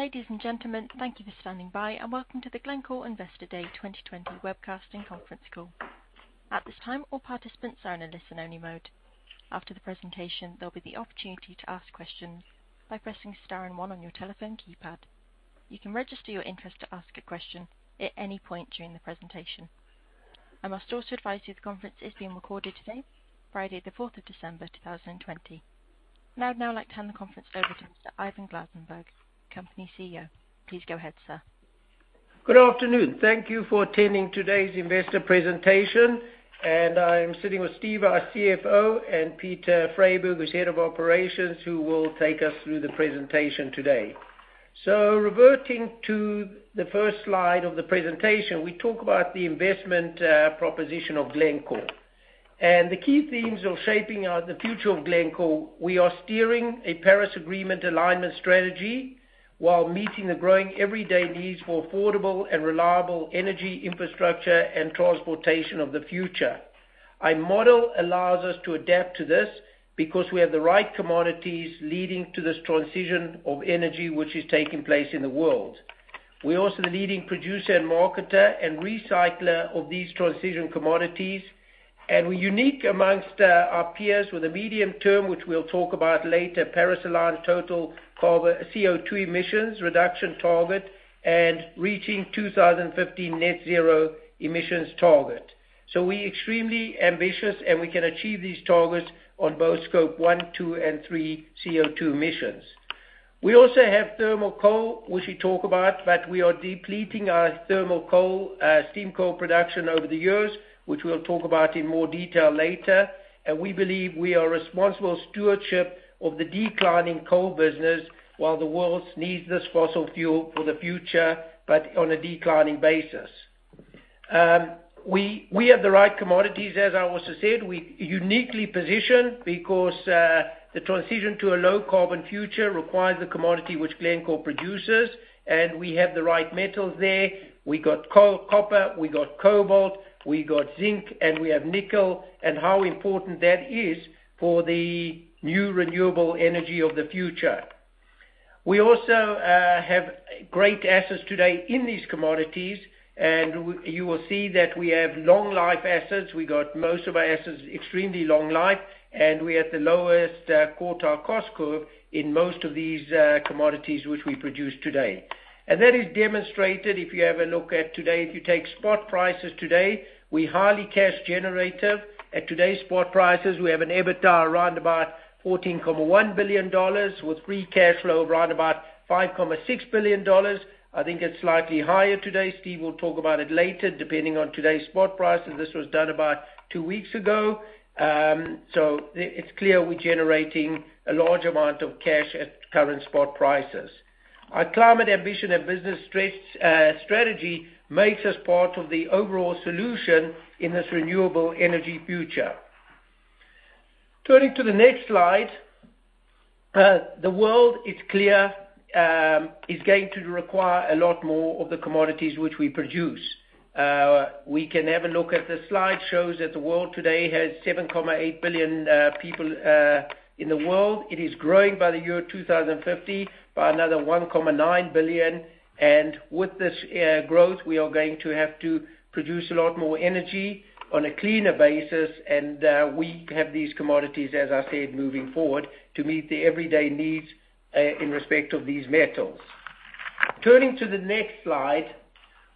Ladies and gentlemen, thank you for standing by, welcome to the Glencore Investor Day 2020 Webcast and Conference Call. At this time, all participants are in a listen-only mode. After the presentation, there'll be the opportunity to ask questions by pressing star and one on your telephone keypad. You can register your interest to ask a question at any point during the presentation. I must also advise you, the conference is being recorded today, Friday the 4th of December, 2020. I would now like to hand the conference over to Mr. Ivan Glasenberg, Company CEO. Please go ahead, sir. Good afternoon. Thank you for attending today's investor presentation. I'm sitting with Steve, our CFO, and Peter Freyberg, Head of Operations, who will take us through the presentation today. Reverting to the first slide of the presentation, we talk about the investment proposition of Glencore and the key themes of shaping out the future of Glencore. We are steering a Paris Agreement alignment strategy while meeting the growing everyday needs for affordable and reliable energy infrastructure and transportation of the future. Our model allows us to adapt to this because we have the right commodities leading to this transition of energy which is taking place in the world. We're also the leading producer and marketer and recycler of these transition commodities, we're unique amongst our peers with a medium term, which we'll talk about later, Paris-aligned total carbon CO2 emissions reduction target and reaching 2050 net zero emissions target. We're extremely ambitious, and we can achieve these targets on both Scope 1, 2, and 3 CO2 emissions. We also have thermal coal, which we talk about, we are depleting our thermal coal, steam coal production over the years, which we'll talk about in more detail later. We believe we are responsible stewardship of the declining coal business while the world needs this fossil fuel for the future, on a declining basis. We have the right commodities, as I also said. We're uniquely positioned because the transition to a low carbon future requires the commodity which Glencore produces, and we have the right metals there. We got coal, copper, we got cobalt, we got zinc, and we have nickel. How important that is for the new renewable energy of the future. We also have great assets today in these commodities. You will see that we have long life assets. We got most of our assets extremely long life. We have the lowest quartile cost curve in most of these commodities which we produce today. That is demonstrated if you have a look at today. If you take spot prices today, we're highly cash generative. At today's spot prices, we have an EBITDA around about $14.1 billion, with free cash flow of around about $5.6 billion. I think it's slightly higher today. Steve will talk about it later, depending on today's spot prices. This was done about two weeks ago. It's clear we're generating a large amount of cash at current spot prices. Our climate ambition and business strategy makes us part of the overall solution in this renewable energy future. Turning to the next slide. The world, it's clear, is going to require a lot more of the commodities which we produce. We can have a look at the slide shows that the world today has 7.8 billion people in the world. It is growing by the year 2050 by another 1.9 billion. With this growth, we are going to have to produce a lot more energy on a cleaner basis. We have these commodities, as I said, moving forward to meet the everyday needs in respect of these metals. Turning to the next slide.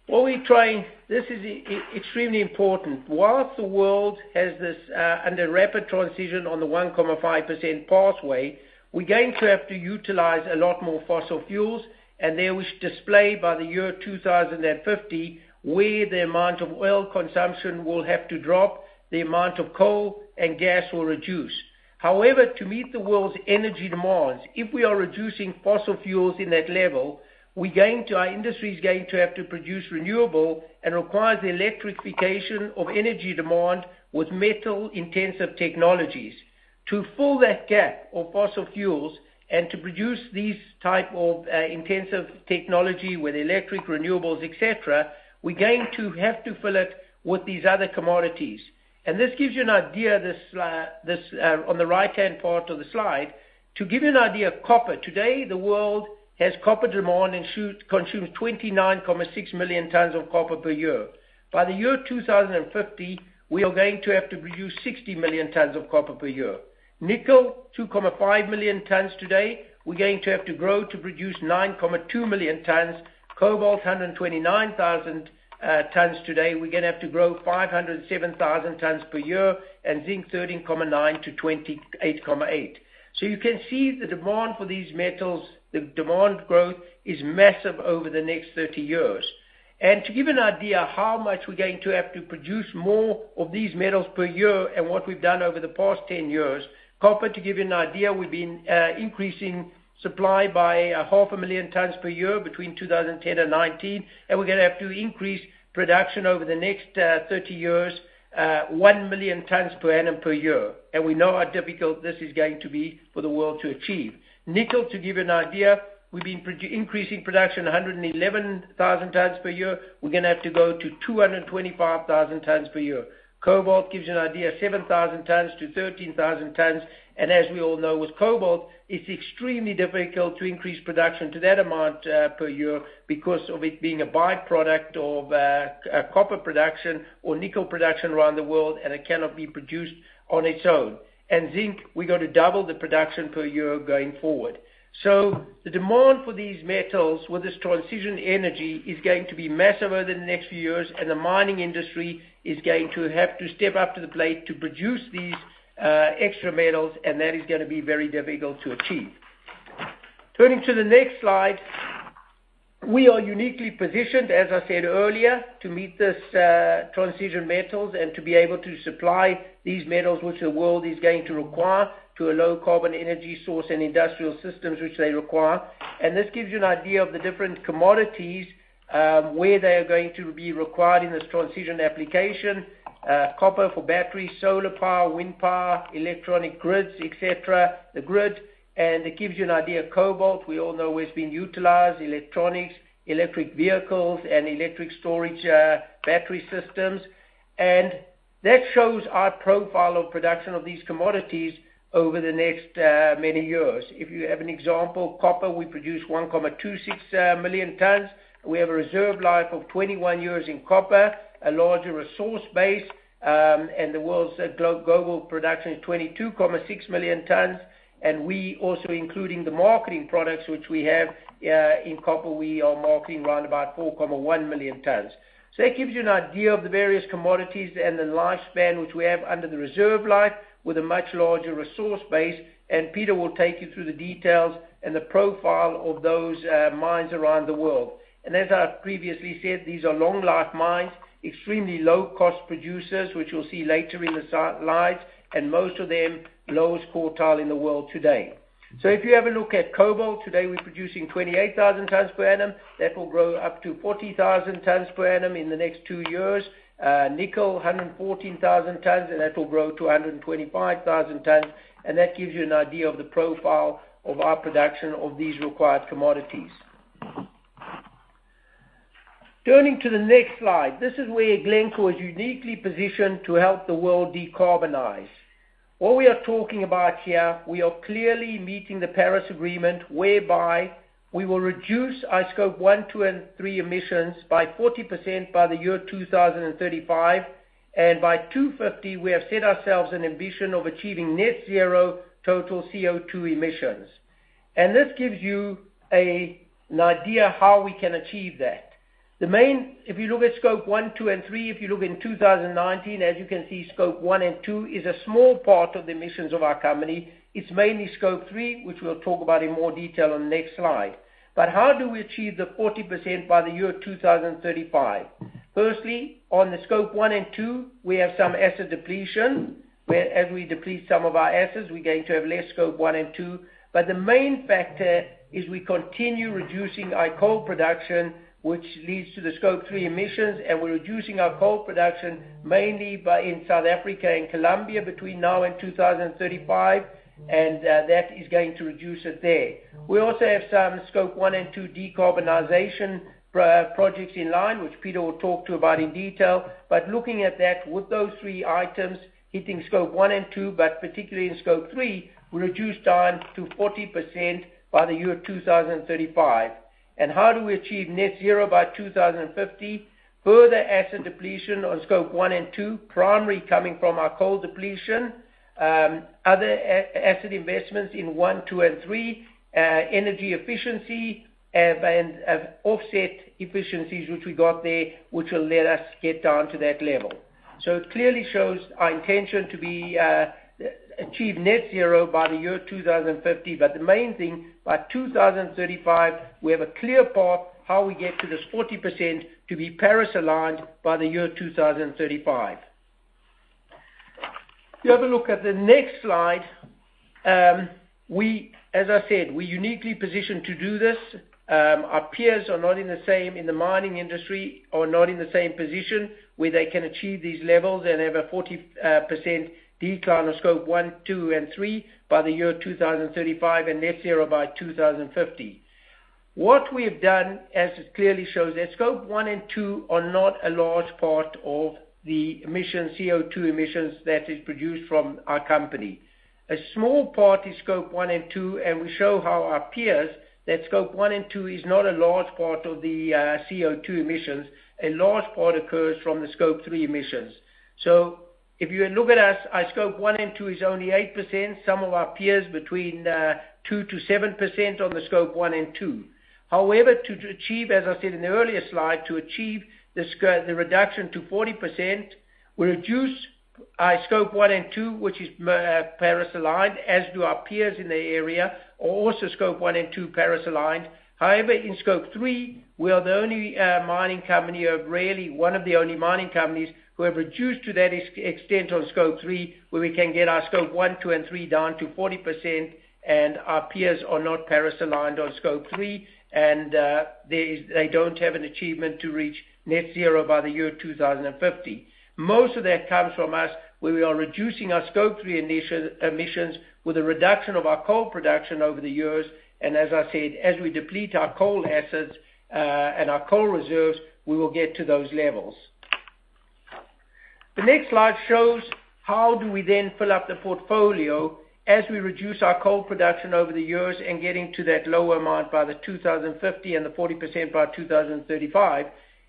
This is extremely important. Whilst the world has this under rapid transition on the 1.5% pathway, we're going to have to utilize a lot more fossil fuels, and there we display by the year 2050, where the amount of oil consumption will have to drop, the amount of coal and gas will reduce. However, to meet the world's energy demands, if we are reducing fossil fuels in that level, our industry is going to have to produce renewable and requires the electrification of energy demand with metal-intensive technologies. To fill that gap of fossil fuels and to produce these type of intensive technology with electric renewables, et cetera, we're going to have to fill it with these other commodities. This gives you an idea, on the right-hand part of the slide. To give you an idea of copper, today, the world has copper demand and consumes 29.6 million tons of copper per year. By the year 2050, we are going to have to produce 60 million tons of copper per year. Nickel, 2.5 million tons today. We're going to have to grow to produce 9.2 million tons. Cobalt, 129,000 tons today. We're going to have to grow 507,000 tons per year. Zinc, 13.9 to 28.8. You can see the demand for these metals, the demand growth is massive over the next 30 years. To give you an idea how much we're going to have to produce more of these metals per year and what we've done over the past 10 years, copper, to give you an idea, we've been increasing supply by half a million tons per year between 2010 and 2019, and we're going to have to increase production over the next 30 years, 1 million tons per annum, per year. We know how difficult this is going to be for the world to achieve. Nickel, to give you an idea, we've been increasing production 111,000 tons per year. We're going to have to go to 225,000 tons per year. Cobalt gives you an idea, 7,000 tons to 13,000 tons. As we all know with cobalt, it's extremely difficult to increase production to that amount per year because of it being a byproduct of copper production or nickel production around the world, and it cannot be produced on its own. Zinc, we got to double the production per year going forward. The demand for these metals with this transition energy is going to be massive over the next few years, and the mining industry is going to have to step up to the plate to produce these extra metals, and that is going to be very difficult to achieve. Turning to the next slide. We are uniquely positioned, as I said earlier, to meet this transition metals and to be able to supply these metals, which the world is going to require to a low carbon energy source and industrial systems which they require. This gives you an idea of the different commodities, where they are going to be required in this transition application. Copper for batteries, solar power, wind power, electronic grids, et cetera, the grid. It gives you an idea, cobalt, we all know where it's been utilized, electronics, electric vehicles, and electric storage battery systems. That shows our profile of production of these commodities over the next many years. If you have an example, copper, we produce 1.26 million tons. We have a reserve life of 21 years in copper, a larger resource base, and the world's global production is 22.6 million tons. We also, including the marketing products which we have in copper, we are marketing around about 4.1 million tons. That gives you an idea of the various commodities and the lifespan which we have under the reserve life with a much larger resource base. Peter will take you through the details and the profile of those mines around the world. As I previously said, these are long life mines, extremely low cost producers, which you'll see later in the slides, and most of them lowest quartile in the world today. If you have a look at cobalt, today we're producing 28,000 tons per annum. That will grow up to 40,000 tons per annum in the next two years. Nickel, 114,000 tons, and that will grow to 125,000 tons. That gives you an idea of the profile of our production of these required commodities. Turning to the next slide. This is where Glencore is uniquely positioned to help the world decarbonize. What we are talking about here, we are clearly meeting the Paris Agreement, whereby we will reduce our Scope 1, 2, and 3 emissions by 40% by the year 2035. By 2050, we have set ourselves an ambition of achieving net zero total CO2 emissions. This gives you an idea how we can achieve that. If you look at Scope 1, 2, and 3, if you look in 2019, as you can see, Scope 1 and 2 is a small part of the emissions of our company. It is mainly Scope 3, which we will talk about in more detail on the next slide. How do we achieve the 40% by the year 2035? Firstly, on the Scope 1 and 2, we have some asset depletion. Whereas we deplete some of our assets, we are going to have less Scope 1 and 2. The main factor is we continue reducing our coal production, which leads to the Scope 3 emissions, and we're reducing our coal production mainly in South Africa and Colombia between now and 2035, and that is going to reduce it there. We also have some Scope 1 and 2 decarbonization projects in line, which Peter will talk to about in detail. Looking at that with those three items, hitting Scope 1 and 2, but particularly in Scope 3, we reduce down to 40% by the year 2035. How do we achieve net zero by 2050? Further asset depletion on Scope 1 and 2, primary coming from our coal depletion. Other asset investments in one, two, and three. Energy efficiency and offset efficiencies which we got there, which will let us get down to that level. It clearly shows our intention to achieve net zero by the year 2050. The main thing, by 2035, we have a clear path how we get to this 40% to be Paris-aligned by the year 2035. You have a look at the next slide. As I said, we're uniquely positioned to do this. Our peers are not in the same, in the mining industry, are not in the same position where they can achieve these levels and have a 40% decline of Scope 1, 2, and 3 by the year 2035 and net zero by 2050. What we've done, as it clearly shows there, Scope 1 and 2 are not a large part of the emission, CO2 emissions that is produced from our company. A small part is Scope 1 and 2, and we show how our peers that Scope 1 and 2 is not a large part of the CO2 emissions. A large part occurs from the Scope 3 emissions. If you look at us, our Scope 1 and 2 is only 8%, some of our peers between 2%-7% on the Scope 1 and 2. However, to achieve, as I said in the earlier slide, to achieve the reduction to 40%, we reduce our Scope 1 and 2, which is Paris-aligned, as do our peers in the area, are also Scope 1 and 2 Paris-aligned. However, in Scope 3, we are the only mining company, or really one of the only mining companies who have reduced to that extent on Scope 3, where we can get our Scope 1, Scope 2, and Scope 3 down to 40%, and our peers are not Paris-aligned on Scope 3. They don't have an achievement to reach net zero by the year 2050. Most of that comes from us, where we are reducing our Scope 3 emissions with a reduction of our coal production over the years. As I said, as we deplete our coal assets, and our coal reserves, we will get to those levels. The next slide shows how do we then fill up the portfolio as we reduce our coal production over the years and getting to that lower amount by the 2050 and the 40% by 2035.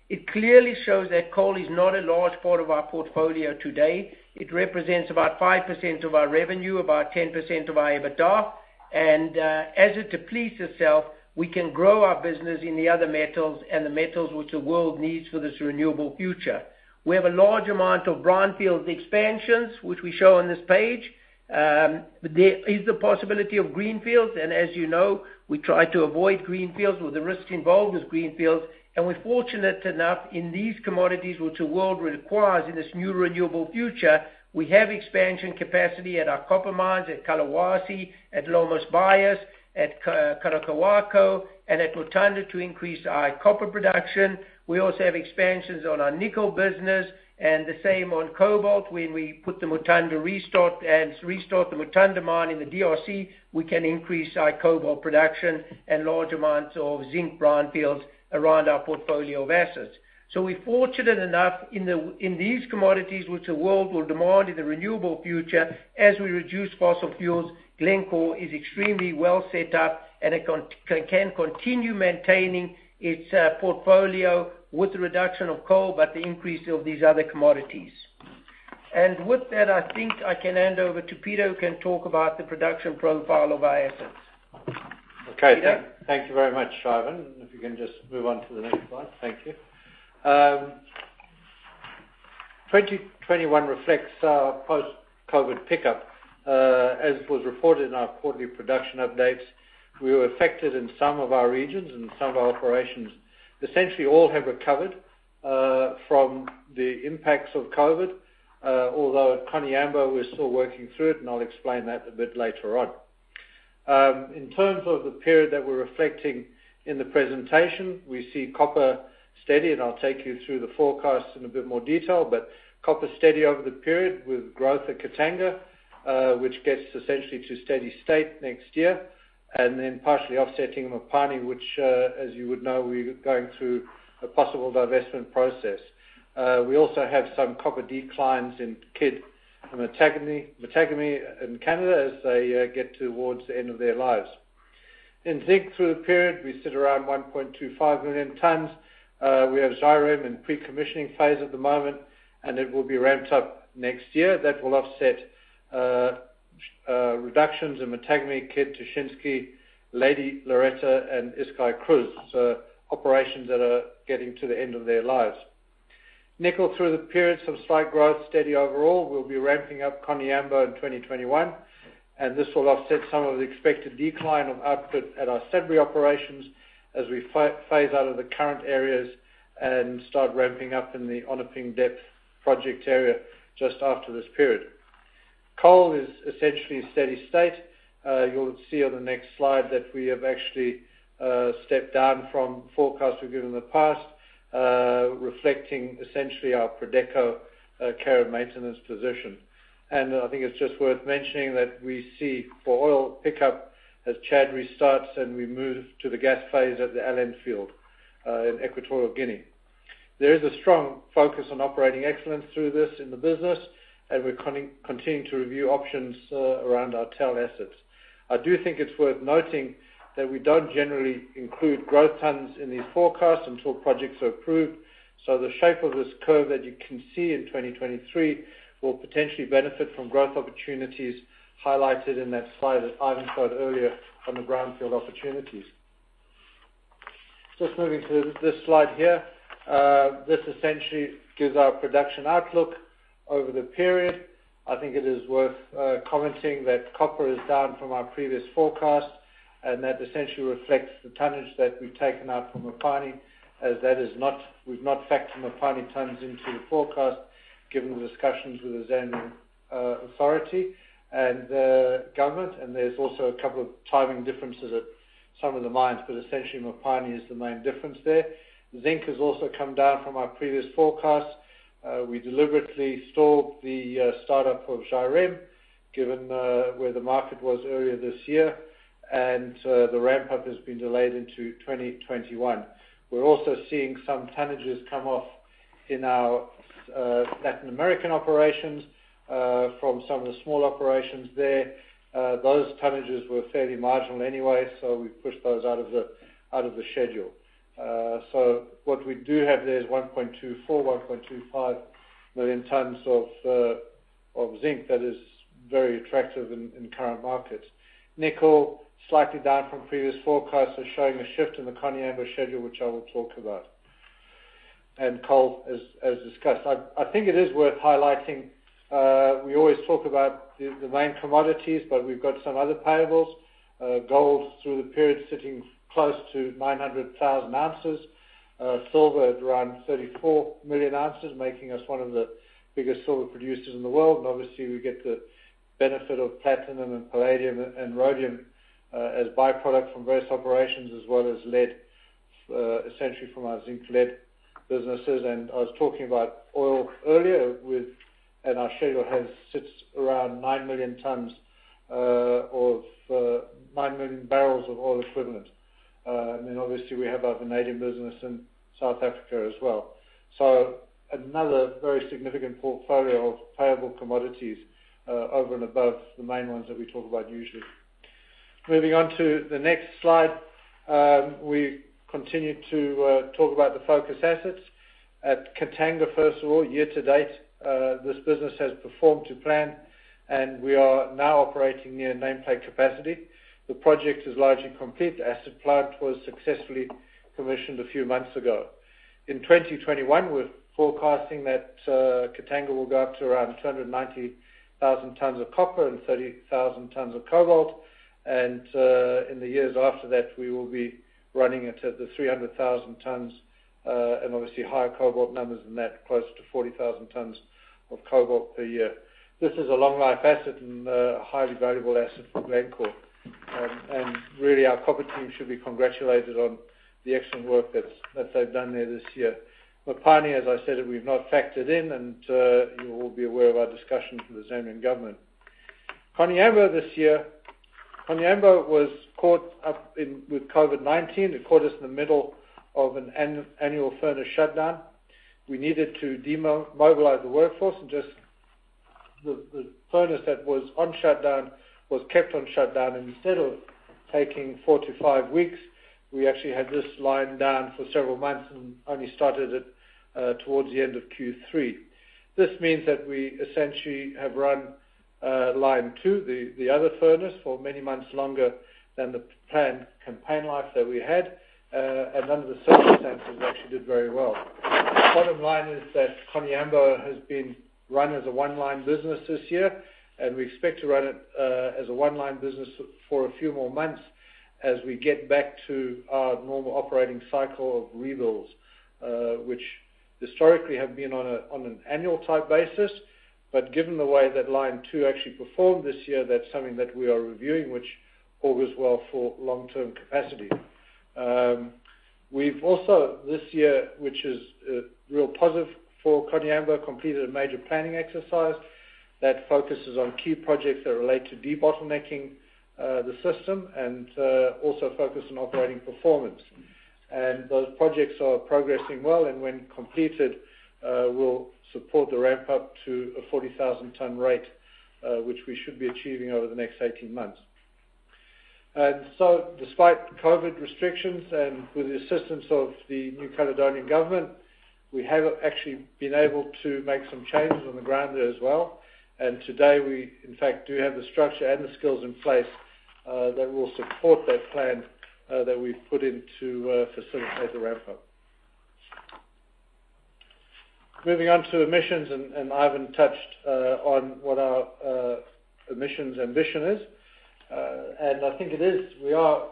It clearly shows that coal is not a large part of our portfolio today. It represents about 5% of our revenue, about 10% of our EBITDA. As it depletes itself. We can grow our business in the other metals and the metals which the world needs for this renewable future. We have a large amount of brownfield expansions, which we show on this page. There is the possibility of greenfields, and as you know, we try to avoid greenfields with the risks involved with greenfields. We're fortunate enough in these commodities, which the world requires in this new renewable future, we have expansion capacity at our copper mines at Collahuasi, at Lomas Bayas, at Coroccohuayco, and at Mutanda to increase our copper production. We also have expansions on our nickel business and the same on cobalt. When we put the Mutanda restart and restart the Mutanda mine in the DRC, we can increase our cobalt production and large amounts of zinc brownfields around our portfolio of assets. We're fortunate enough in these commodities, which the world will demand in the renewable future as we reduce fossil fuels. Glencore is extremely well set up and it can continue maintaining its portfolio with the reduction of coal, but the increase of these other commodities. With that, I think I can hand over to Peter, who can talk about the production profile of our assets. Peter? Okay, thank you very much, Ivan. If you can just move on to the next slide. Thank you. 2021 reflects our post-COVID pickup. As was reported in our quarterly production updates, we were affected in some of our regions and some of our operations. Essentially all have recovered from the impacts of COVID. Although at Koniambo, we're still working through it, and I'll explain that a bit later on. In terms of the period that we're reflecting in the presentation, we see copper steady, and I'll take you through the forecast in a bit more detail. Copper is steady over the period with growth at Katanga, which gets essentially to a steady state next year, and then partially offsetting Mopani, which, as you would know, we're going through a possible divestment process. We also have some copper declines in Kidd and Matagami in Canada as they get towards the end of their lives. In zinc through the period, we sit around 1.25 million tons. We have Zhairem in pre-commissioning phase at the moment, and it will be ramped up next year. That will offset reductions in Matagami, Kidd, Tishinsky, Lady Loretta and Iscaycruz, so operations that are getting to the end of their lives. Nickel through the periods of slight growth, steady overall. We'll be ramping up Koniambo in 2021, and this will offset some of the expected decline of output at our Sudbury operations as we phase out of the current areas and start ramping up in the Onaping Depth project area just after this period. Coal is essentially a steady state. You'll see on the next slide that we have actually stepped down from forecasts we've given in the past, reflecting essentially our Prodeco care and maintenance position. I think it's just worth mentioning that we see for oil pickup as Chad restarts and we move to the gas phase at the Alen field in Equatorial Guinea. There is a strong focus on operating excellence through this in the business, and we're continuing to review options around our tail assets. I do think it's worth noting that we don't generally include growth tons in these forecasts until projects are approved. The shape of this curve that you can see in 2023 will potentially benefit from growth opportunities highlighted in that slide that Ivan showed earlier on the brownfield opportunities. Just moving to this slide here. This essentially gives our production outlook over the period. I think it is worth commenting that copper is down from our previous forecast, that essentially reflects the tonnage that we've taken out from Mopani, as we've not factored Mopani tonnage into the forecast, given the discussions with the Zambian authority and the government. There's also a couple of timing differences at some of the mines, but essentially Mopani is the main difference there. Zinc has also come down from our previous forecast. We deliberately stalled the startup of Zhairem, given where the market was earlier this year, and the ramp up has been delayed into 2021. We're also seeing some tonnages come off in our Latin American operations from some of the small operations there. Those tonnages were fairly marginal anyway, so we pushed those out of the schedule. What we do have there is 1.24 million to 1.25 million tons of zinc that is very attractive in current markets. Nickel, slightly down from previous forecasts, are showing a shift in the Koniambo schedule, which I will talk about. Coal, as discussed. I think it is worth highlighting, we always talk about the main commodities, but we've got some other payables. Gold through the period sitting close to 900,000 ounces. Silver at around 34 million ounces, making us one of the biggest silver producers in the world. Obviously we get the benefit of platinum and palladium and rhodium as byproducts from various operations as well as lead, essentially from our zinc lead businesses. I was talking about oil earlier and our schedule sits around nine million barrels of oil equivalent. Obviously we have our vanadium business in South Africa as well. Another very significant portfolio of payable commodities over and above the main ones that we talk about usually. Moving on to the next slide. We continue to talk about the focus assets. At Katanga, first of all, year to date, this business has performed to plan, and we are now operating near nameplate capacity. The project is largely complete. Acid plant was successfully commissioned a few months ago. In 2021, we're forecasting that Katanga will go up to around 290,000 tonnes of copper and 30,000 tonnes of cobalt. In the years after that, we will be running it at the 300,000 tonnes, and obviously higher cobalt numbers than that, close to 40,000 tonnes of cobalt per year. This is a long life asset and a highly valuable asset for Glencore. Really, our copper team should be congratulated on the excellent work that they've done there this year. Mopani, as I said, we've not factored in, and you will be aware of our discussions with the Zambian government. Koniambo this year, Koniambo was caught up with COVID-19. It caught us in the middle of an annual furnace shutdown. We needed to demobilize the workforce and just the furnace that was on shutdown was kept on shutdown. Instead of taking four to five weeks, we actually had this line down for several months and only started it towards the end of Q3. This means that we essentially have run line 2, the other furnace, for many months longer than the planned campaign life that we had, and under the circumstances, actually did very well. Bottom line is that Koniambo has been run as a one-line business this year, and we expect to run it as a one-line business for a few more months as we get back to our normal operating cycle of rebuilds, which historically have been on an annual type basis. Given the way that line two actually performed this year, that's something that we are reviewing, which bodes well for long-term capacity. We've also this year, which is a real positive for Koniambo, completed a major planning exercise that focuses on key projects that relate to debottlenecking the system and also focus on operating performance. Those projects are progressing well and when completed, will support the ramp up to a 40,000 tonnes rate, which we should be achieving over the next 18 months. Despite COVID restrictions and with the assistance of the New Caledonian Government, we have actually been able to make some changes on the ground there as well. Today we, in fact, do have the structure and the skills in place that will support that plan that we've put in to facilitate the ramp up. Moving on to emissions, Ivan touched on what our emissions ambition is. I think we are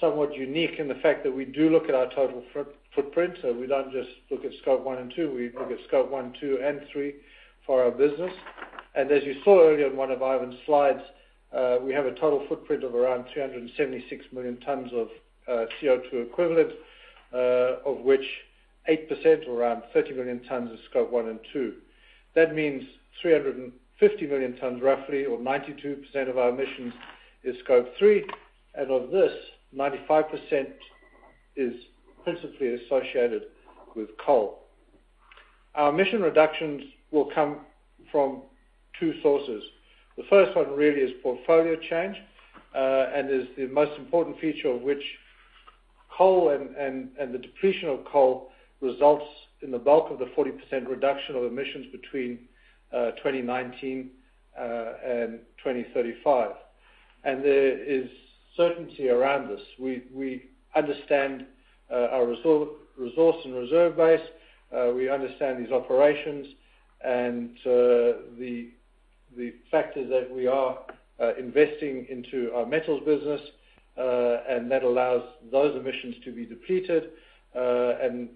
somewhat unique in the fact that we do look at our total footprint. We don't just look at Scope 1 and 2, we look at Scope 1, 2, and 3 for our business. As you saw earlier in one of Ivan's slides, we have a total footprint of around 376 million tonnes of CO2 equivalent, of which 8% or around 30 million tonnes is Scope 1 and 2. That means 350 million tonnes roughly, or 92% of our emissions is Scope 3. Of this, 95% is principally associated with coal. Our emission reductions will come from two sources. The first one really is portfolio change, and is the most important feature of which coal and the depletion of coal results in the bulk of the 40% reduction of emissions between 2019 and 2035. There is certainty around this. We understand our resource and reserve base. We understand these operations and the factor that we are investing into our metals business, and that allows those emissions to be depleted, and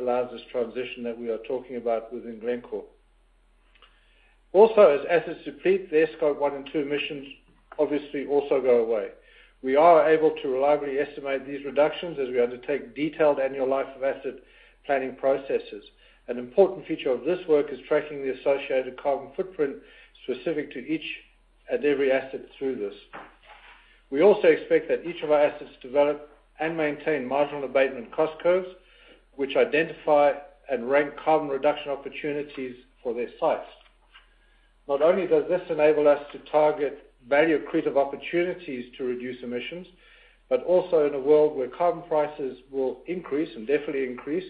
allows this transition that we are talking about within Glencore. Also, as assets deplete, their Scope 1 and 2 emissions obviously also go away. We are able to reliably estimate these reductions as we undertake detailed annual life of asset planning processes. An important feature of this work is tracking the associated carbon footprint specific to each and every asset through this. We also expect that each of our assets develop and maintain marginal abatement cost curves, which identify and rank carbon reduction opportunities for their sites. Not only does this enable us to target value accretive opportunities to reduce emissions, but also in a world where carbon prices will increase and definitely increase,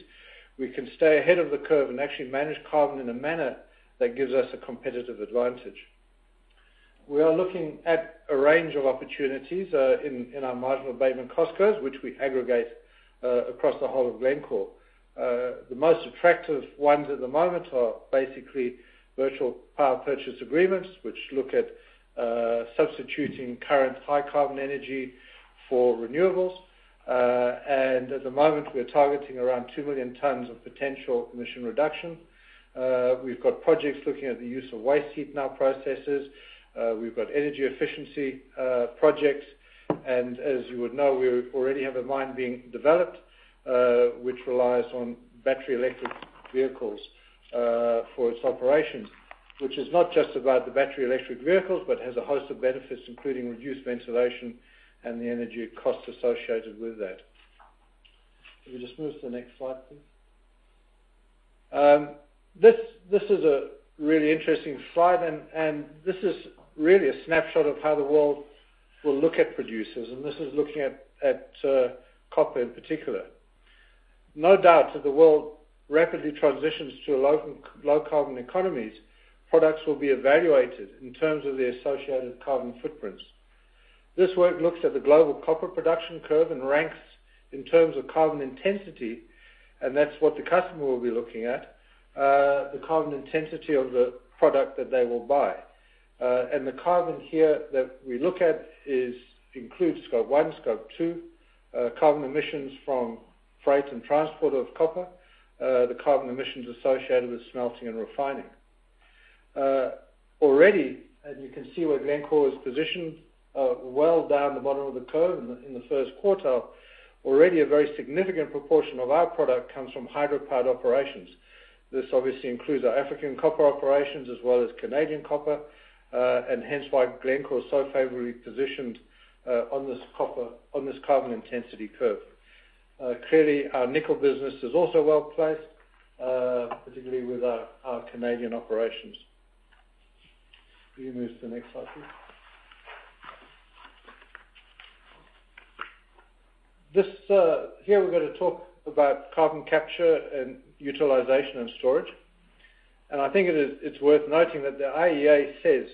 we can stay ahead of the curve and actually manage carbon in a manner that gives us a competitive advantage. We are looking at a range of opportunities in our marginal abatement cost curves, which we aggregate across the whole of Glencore. The most attractive ones at the moment are basically virtual power purchase agreements, which look at substituting current high carbon energy for renewables. At the moment, we're targeting around 2 million tons of potential emission reduction. We've got projects looking at the use of waste heat in our processes. We've got energy efficiency projects. As you would know, we already have a mine being developed, which relies on battery electric vehicles for its operations, which is not just about the battery electric vehicles, but has a host of benefits, including reduced ventilation and the energy costs associated with that. Can we just move to the next slide, please? This is a really interesting slide, and this is really a snapshot of how the world will look at producers, and this is looking at copper in particular. No doubt as the world rapidly transitions to low carbon economies, products will be evaluated in terms of their associated carbon footprints. This work looks at the global copper production curve and ranks in terms of carbon intensity. That's what the customer will be looking at, the carbon intensity of the product that they will buy. The carbon here that we look at includes Scope 1 and Scope 2, carbon emissions from freight and transport of copper, the carbon emissions associated with smelting and refining. Already, you can see where Glencore is positioned, well down the bottom of the curve in the first quartile. Already a very significant proportion of our product comes from hydro-powered operations. This obviously includes our African copper operations as well as Canadian copper. Hence why Glencore is so favorably positioned on this carbon intensity curve. Clearly, our nickel business is also well-placed, particularly with our Canadian operations. Can you move to the next slide, please? Here we're going to talk about carbon capture and utilization and storage. I think it's worth noting that the IEA says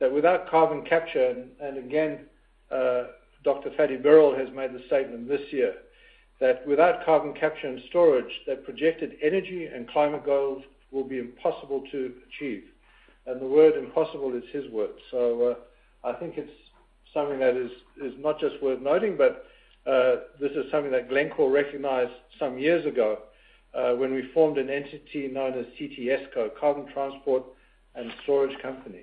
that without carbon capture, and again, Dr Fatih Birol has made the statement this year, that without carbon capture and storage, that projected energy and climate goals will be impossible to achieve. The word impossible is his word. I think it's something that is not just worth noting, but this is something that Glencore recognized some years ago, when we formed an entity known as CTSCo, Carbon Transport and Storage Company.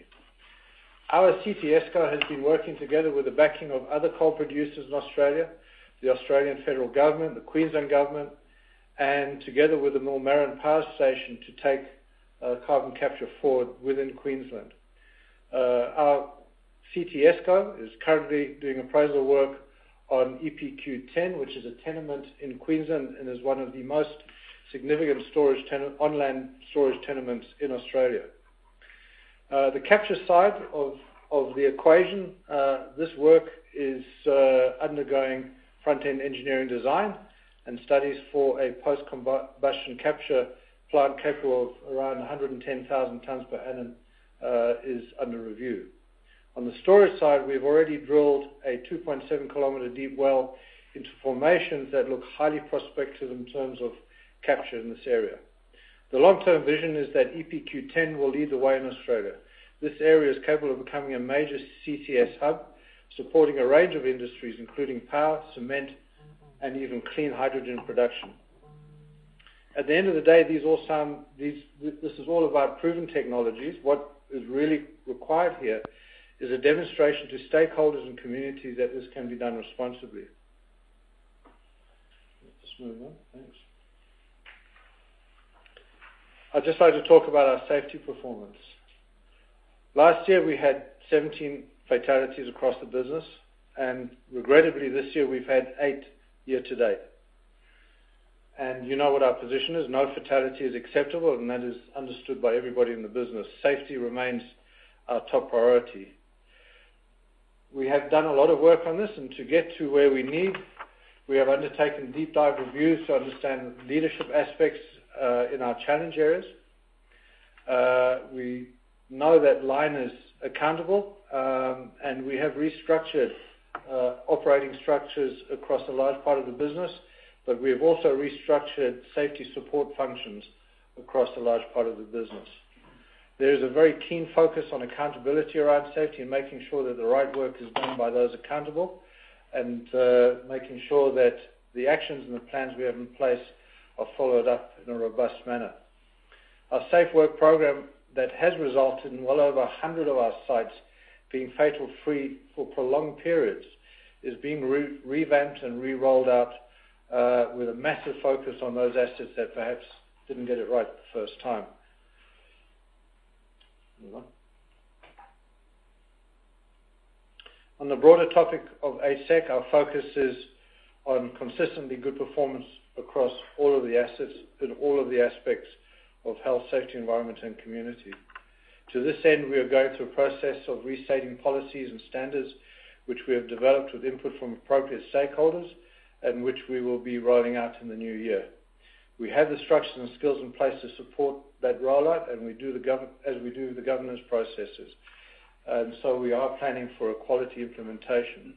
Our CTSCo has been working together with the backing of other coal producers in Australia, the Australian Federal Government, the Queensland Government, and together with the Millmerran Power Station to take carbon capture forward within Queensland. Our CTSCo is currently doing appraisal work on EPQ10, which is a tenement in Queensland and is one of the most significant on-land storage tenements in Australia. The capture side of the equation, this work is undergoing front-end engineering design and studies for a post-combustion capture plant capable of around 110,000 tons per annum is under review. On the storage side, we've already drilled a 2.7 km deep well into formations that look highly prospective in terms of capture in this area. The long-term vision is that EPQ10 will lead the way in Australia. This area is capable of becoming a major CCS hub, supporting a range of industries, including power, cement, and even clean hydrogen production. At the end of the day, this is all about proven technologies. What is really required here is a demonstration to stakeholders and communities that this can be done responsibly. Let's move on. Thanks. I'd just like to talk about our safety performance. Last year, we had 17 fatalities across the business, and regrettably, this year we've had eight year-to-date. You know what our position is, no fatality is acceptable, and that is understood by everybody in the business. Safety remains our top priority. We have done a lot of work on this, and to get to where we need, we have undertaken deep dive reviews to understand leadership aspects in our challenge areas. We know that line is accountable, and we have restructured operating structures across a large part of the business, but we have also restructured safety support functions across a large part of the business. There is a very keen focus on accountability around safety and making sure that the right work is done by those accountable and making sure that the actions and the plans we have in place are followed up in a robust manner. Our safe work program that has resulted in well over 100 of our sites being fatal-free for prolonged periods is being revamped and re-rolled out with a massive focus on those assets that perhaps didn't get it right the first time. Move on. On the broader topic of HSEC, our focus is on consistently good performance across all of the assets and all of the aspects of health, safety, environment, and community. To this end, we are going through a process of restating policies and standards which we have developed with input from appropriate stakeholders and which we will be rolling out in the new year. We have the structure and skills in place to support that rollout as we do the governance processes. We are planning for a quality implementation.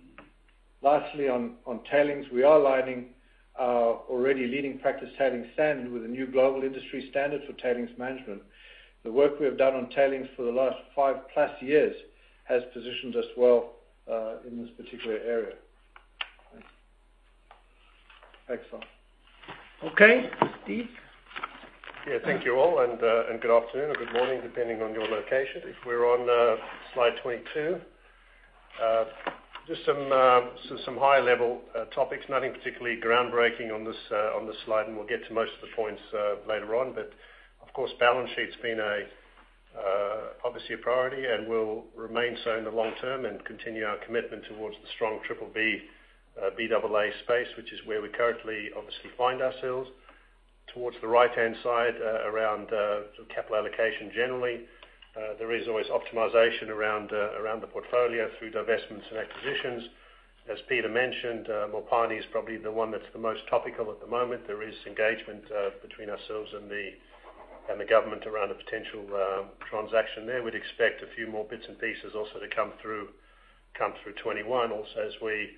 Lastly, on tailings, we are aligning our already leading practice tailings standard with the new global industry standard for tailings management. The work we have done on tailings for the last five-plus years has positioned us well in this particular area. Thanks. Next slide. Okay. Steve? Yeah. Thank you all, and good afternoon or good morning, depending on your location. If we're on slide 22. Just some high-level topics. Nothing particularly groundbreaking on this slide, and we'll get to most of the points later on. Of course, balance sheet's been obviously a priority and will remain so in the long term, and continue our commitment towards the strong BBB, Baa space, which is where we currently obviously find ourselves. Towards the right-hand side, around capital allocation generally. There is always optimization around the portfolio through divestments and acquisitions. As Peter mentioned, Mopani is probably the one that's the most topical at the moment. There is engagement between ourselves and the government around a potential transaction there. We'd expect a few more bits and pieces also to come through 2021. As we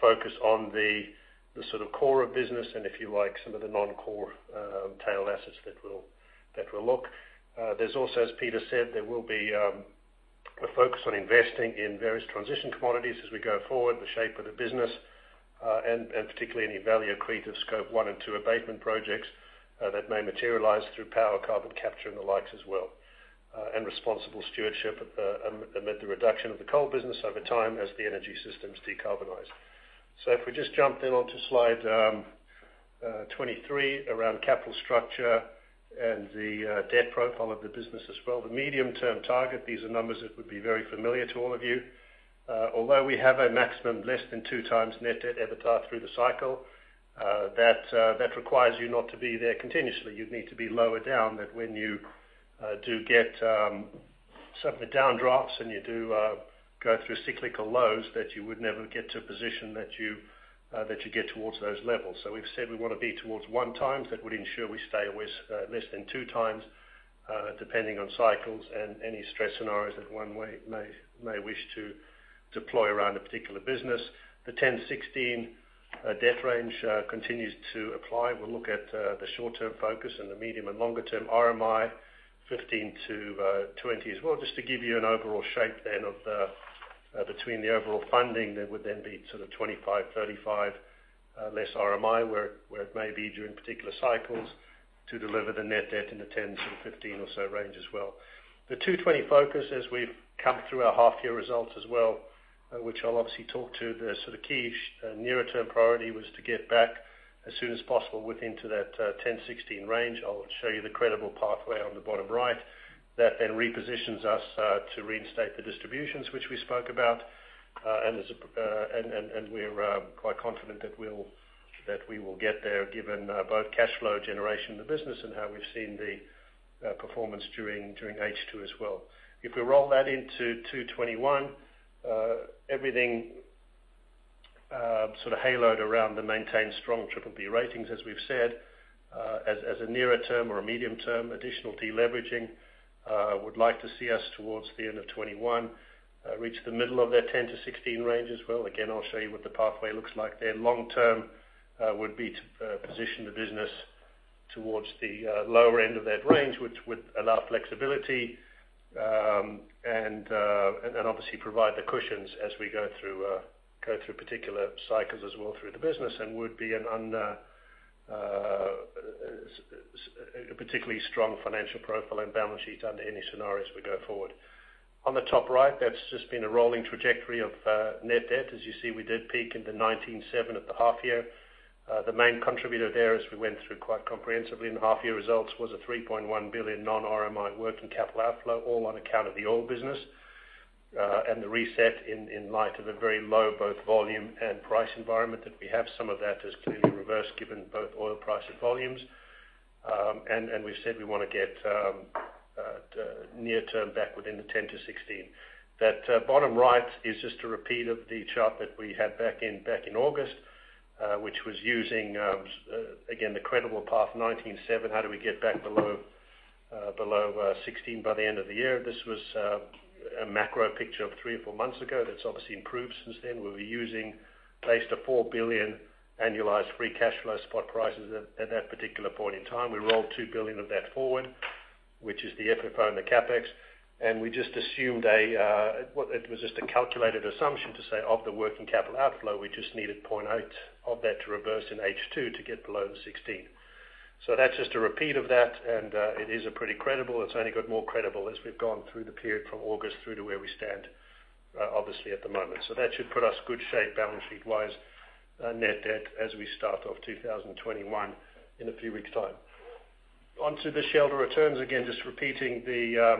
focus on the sort of core of business and if you like, some of the non-core tail assets. There's also, as Peter said, there will be a focus on investing in various transition commodities as we go forward, the shape of the business, and particularly any value accretive Scope 1 and 2 abatement projects that may materialize through power carbon capture and the likes as well. Responsible stewardship amid the reduction of the coal business over time as the energy systems decarbonize. If we just jump onto slide 23 around capital structure and the debt profile of the business as well. The medium-term target. These are numbers that would be very familiar to all of you. Although we have a maximum less than two times net debt EBITDA through the cycle, that requires you not to be there continuously. You'd need to be lower down that when you do get some of the down drafts and you do go through cyclical lows, that you would never get to a position that you get towards those levels. We've said we want to be towards one times, that would ensure we stay less than two times, depending on cycles and any stress scenarios that one may wish to deploy around a particular business. The 10-16 debt range continues to apply. We'll look at the short-term focus and the medium and longer term RMI 15-20 as well, just to give you an overall shape then between the overall funding that would then be sort of 25-35 less RMI, where it may be during particular cycles to deliver the net debt in the 10-15 or so range as well. The 2020 focus as we've come through our half year results as well, which I'll obviously talk to, the sort of key nearer term priority was to get back as soon as possible within to that 10-16 range. I'll show you the credible pathway on the bottom right. That repositions us to reinstate the distributions which we spoke about. We're quite confident that we will get there given both cash flow generation in the business and how we've seen the performance during H2 as well. If we roll that into 2021, everything sort of haloed around the maintained strong BBB ratings, as we've said. As a nearer term or a medium term, additional deleveraging, would like to see us towards the end of 2021 reach the middle of that 10-16 range as well. I'll show you what the pathway looks like there. Long term would be to position the business towards the lower end of that range, which would allow flexibility, and obviously provide the cushions as we go through particular cycles as well through the business, and would be a particularly strong financial profile and balance sheet under any scenario as we go forward. On the top right, that's just been a rolling trajectory of net debt. As you see, we did peak in the $19.7 at the half year. The main contributor there as we went through quite comprehensively in the half year results, was a $3.1 billion non-RMI working capital outflow, all on account of the oil business, and the reset in light of a very low both volume and price environment that we have. Some of that has clearly reversed given both oil price and volumes. We've said we want to get near term back within the 10 to 16. That bottom right is just a repeat of the chart that we had back in August, which was using, again, the credible path 19.7. How do we get back below 16 by the end of the year? This was a macro picture of three or four months ago. That's obviously improved since then. We'll be using placed a $4 billion annualized free cash flow spot prices at that particular point in time. We rolled $2 billion of that forward, which is the FFO and the CapEx, and it was just a calculated assumption to say of the working capital outflow, we just needed 0.8 of that to reverse in H2 to get below the 16. That's just a repeat of that, and it is pretty credible. It's only got more credible as we've gone through the period from August through to where we stand obviously at the moment. That should put us good shape balance sheet-wise, net debt as we start off 2021 in a few weeks' time. Onto the shareholder returns, again, just repeating the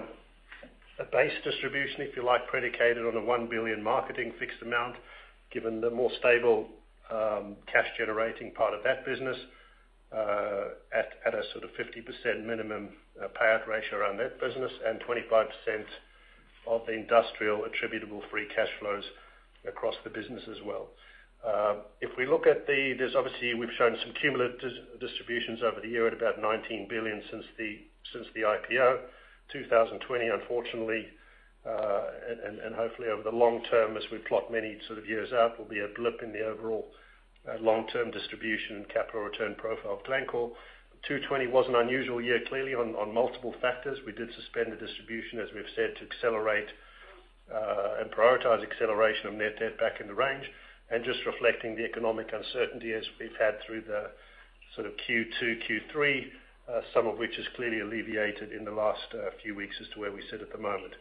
base distribution, if you like, predicated on a $1 billion marketing fixed amount, given the more stable cash generating part of that business, at a sort of 50% minimum payout ratio around that business and 25% of the industrial attributable free cash flows across the business as well. If we look at Obviously we've shown some cumulative distributions over the year at about $19 billion since the IPO. 2020, unfortunately, and hopefully over the long term as we plot many sort of years out, will be a blip in the overall long-term distribution and capital return profile of Glencore. 2020 was an unusual year clearly on multiple factors. We did suspend the distribution, as we've said, to accelerate and prioritize acceleration of net debt back in the range, and just reflecting the economic uncertainty as we've had through the sort of Q2, Q3, some of which is clearly alleviated in the last few weeks as to where we sit at the moment.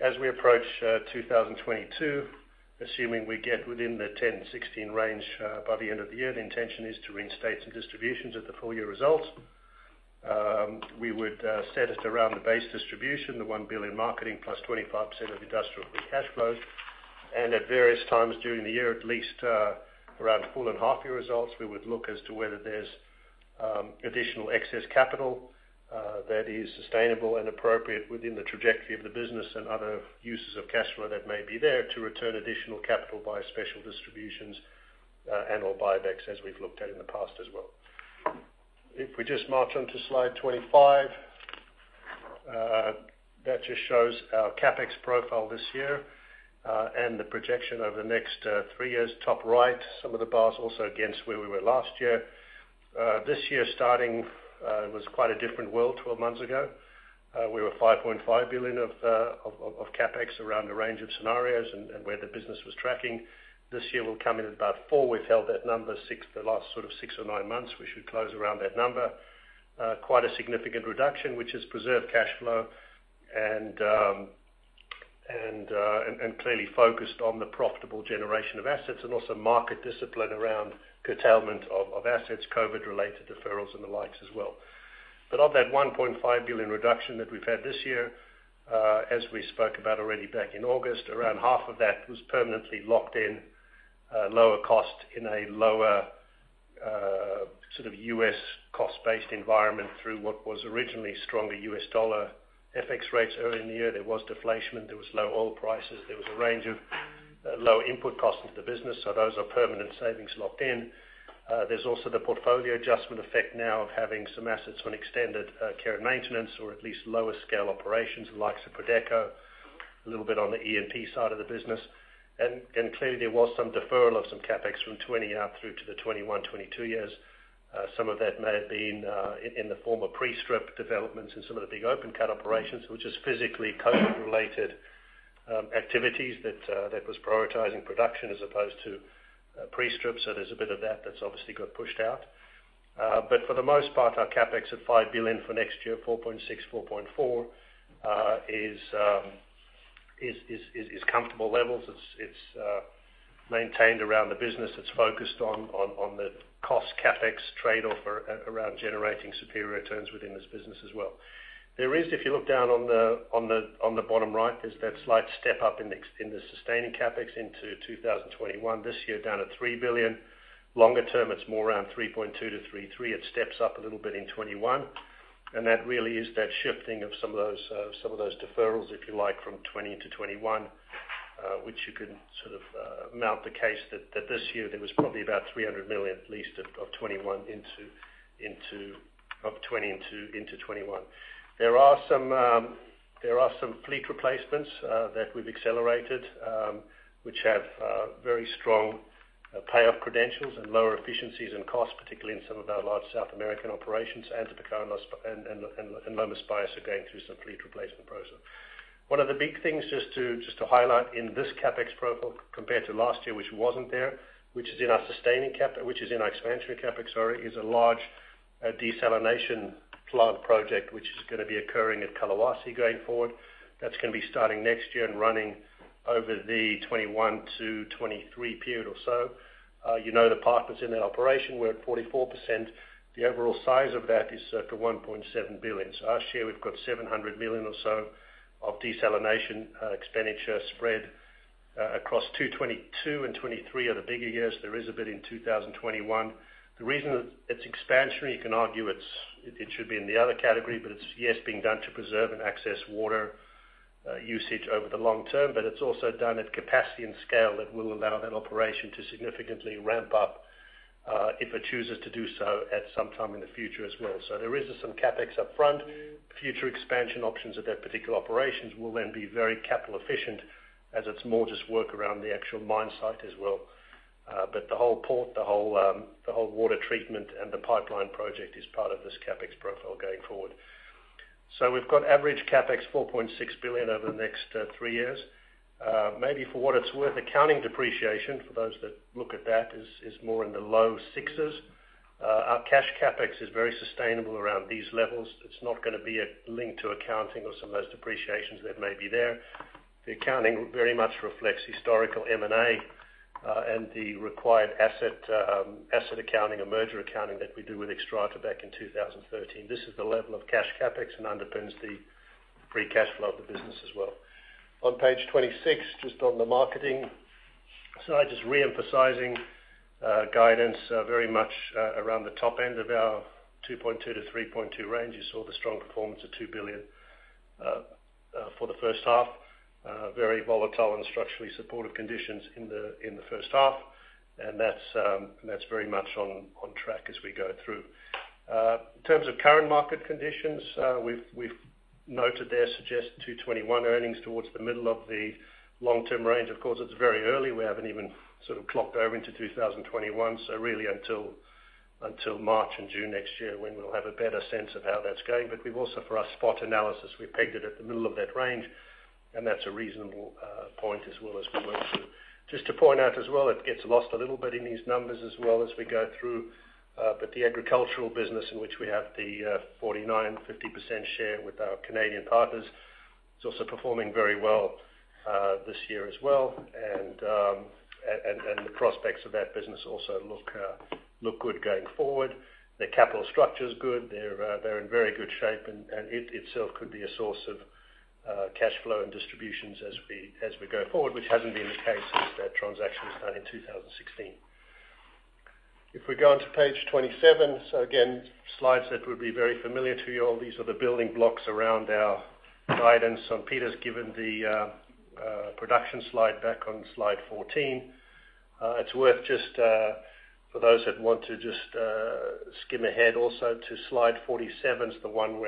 As we approach 2022, assuming we get within the 10 and 16 range by the end of the year, the intention is to reinstate some distributions of the full-year results. We would set it around the base distribution, the $1 billion marketing plus 25% of industrial free cash flow. At various times during the year, at least around full and half year results, we would look as to whether there's additional excess capital that is sustainable and appropriate within the trajectory of the business and other uses of cash flow that may be there to return additional capital via special distributions, and/or buybacks as we've looked at in the past as well. If we just march on to slide 25, that just shows our CapEx profile this year, and the projection over the next three years, top right, some of the bars also against where we were last year. This year starting, was quite a different world 12 months ago. We were $5.5 billion of CapEx around a range of scenarios and where the business was tracking. This year we'll come in about $4. We've held that number the last six or nine months. We should close around that number. Quite a significant reduction, which has preserved cash flow and clearly focused on the profitable generation of assets and also market discipline around curtailment of assets, COVID-related deferrals and the likes as well. Of that $1.5 billion reduction that we've had this year, as we spoke about already back in August, around half of that was permanently locked in lower cost in a lower sort of U.S. cost-based environment through what was originally stronger U.S. dollar FX rates early in the year. There was deflation and there was low oil prices. There was a range of low input costs into the business. Those are permanent savings locked in. There's also the portfolio adjustment effect now of having some assets on extended care and maintenance or at least lower scale operations, the likes of Prodeco, a little bit on the E&P side of the business. Clearly there was some deferral of some CapEx from 2020 out through to the 2021, 2022 years. Some of that may have been in the form of pre-strip developments in some of the big open cut operations, which is physically COVID related activities that was prioritizing production as opposed to pre-strip. There's a bit of that that's obviously got pushed out. For the most part, our CapEx at $5 billion for next year, $4.6 billion, $4.4 billion, is comfortable levels. It's maintained around the business. It's focused on the cost CapEx trade-off around generating superior returns within this business as well. There is, if you look down on the bottom right, there's that slight step up in the sustaining CapEx into 2021. This year down at $3 billion. Longer term, it's more around $3.2 billion-$3.3 billion. It steps up a little bit in 2021. That really is that shifting of some of those deferrals, if you like, from 2020 to 2021, which you can sort of mount the case that this year there was probably about $300 million at least of 2020 into 2021. There are some fleet replacements that we've accelerated, which have very strong payoff credentials and lower efficiencies and costs, particularly in some of our large South American operations and Lomas Bayas are going through some fleet replacement process. One of the big things just to highlight in this CapEx profile compared to last year, which wasn't there, which is in our expansion CapEx, is a large desalination plant project, which is going to be occurring at Collahuasi going forward. That's going to be starting next year and running over the 2021 to 2023 period or so. You know the partners in that operation, we're at 44%. The overall size of that is circa $1.7 billion. Our share, we've got $700 million or so of desalination expenditure spread across 2022 and 2023 are the bigger years. There is a bit in 2021. The reason it's expansion, you can argue it should be in the other category, but it's being done to preserve and access water usage over the long term, but it's also done at capacity and scale that will allow that operation to significantly ramp up, if it chooses to do so at some time in the future as well. There is some CapEx upfront. Future expansion options of that particular operations will then be very capital efficient as it's more just work around the actual mine site as well. The whole port, the whole water treatment and the pipeline project is part of this CapEx profile going forward. We've got average CapEx $4.6 billion over the next three years. Maybe for what it's worth, accounting depreciation for those that look at that is more in the low sixes. Our cash CapEx is very sustainable around these levels. It's not going to be linked to accounting or some of those depreciations that may be there. The accounting very much reflects historical M&A, and the required asset accounting and merger accounting that we do with Xstrata back in 2013. This is the level of cash CapEx and underpins the free cash flow of the business as well. On page 26, just on the marketing side, just re-emphasizing guidance, very much around the top end of our $2.2 billion-$3.2 billion range. You saw the strong performance of $2 billion for the first half. Very volatile and structurally supportive conditions in the first half. That's very much on track as we go through. In terms of current market conditions, we've noted there suggested 2021 earnings towards the middle of the long-term range. Of course, it's very early. We haven't even sort of clocked over into 2021, so really until March and June next year when we'll have a better sense of how that's going. We've also for our spot analysis, we pegged it at the middle of that range, and that's a reasonable point as well as we work through. Just to point out as well, it gets lost a little bit in these numbers as well as we go through. The agricultural business in which we have the 49, 50% share with our Canadian partners. It's also performing very well this year as well, and the prospects of that business also look good going forward. Their capital structure is good. They're in very good shape, and it itself could be a source of cash flow and distributions as we go forward, which hasn't been the case since that transaction was done in 2016. If we go on to page 27, again, slides that would be very familiar to you all. These are the building blocks around our guidance, and Peter's given the production slide back on slide 14. It's worth, for those that want to just skim ahead, also to slide 47, is the one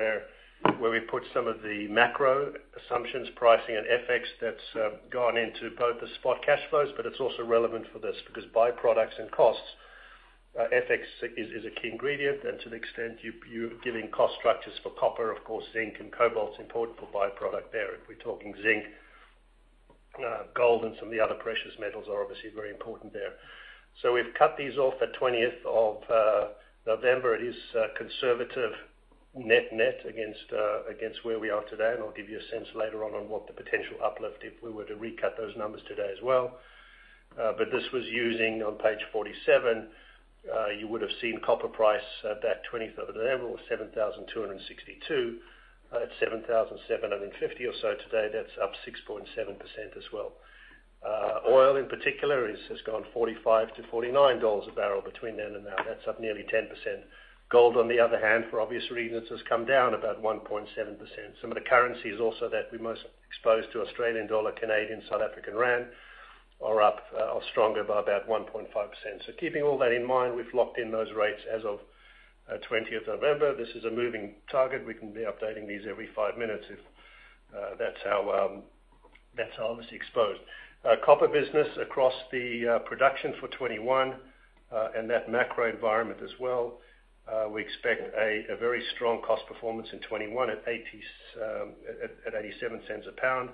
where we put some of the macro assumptions, pricing, and FX that's gone into both the spot cash flows, but it's also relevant for this, because byproducts and costs, FX is a key ingredient, and to the extent you're giving cost structures for copper, of course, zinc and cobalt is important for byproduct there. If we're talking zinc, gold and some of the other precious metals are obviously very important there. We've cut these off at 20th of November. It is conservative net against where we are today, and I'll give you a sense later on what the potential uplift if we were to recut those numbers today as well. This was using, on page 47, you would have seen copper price at that 20th of November was $7,262. It's $7,750 or so today. That's up 6.7% as well. Oil, in particular, has gone $45-$49 a barrel between then and now. That's up nearly 10%. Gold, on the other hand, for obvious reasons, has come down about 1.7%. Some of the currencies also that we're most exposed to, Australian dollar, Canadian, South African rand, are up or stronger by about 1.5%. Keeping all that in mind, we've locked in those rates as of 20th November. This is a moving target. We can be updating these every five minutes if that's how it's exposed. Copper business across the production for 2021, that macro environment as well, we expect a very strong cost performance in 2021 at $0.87 a pound.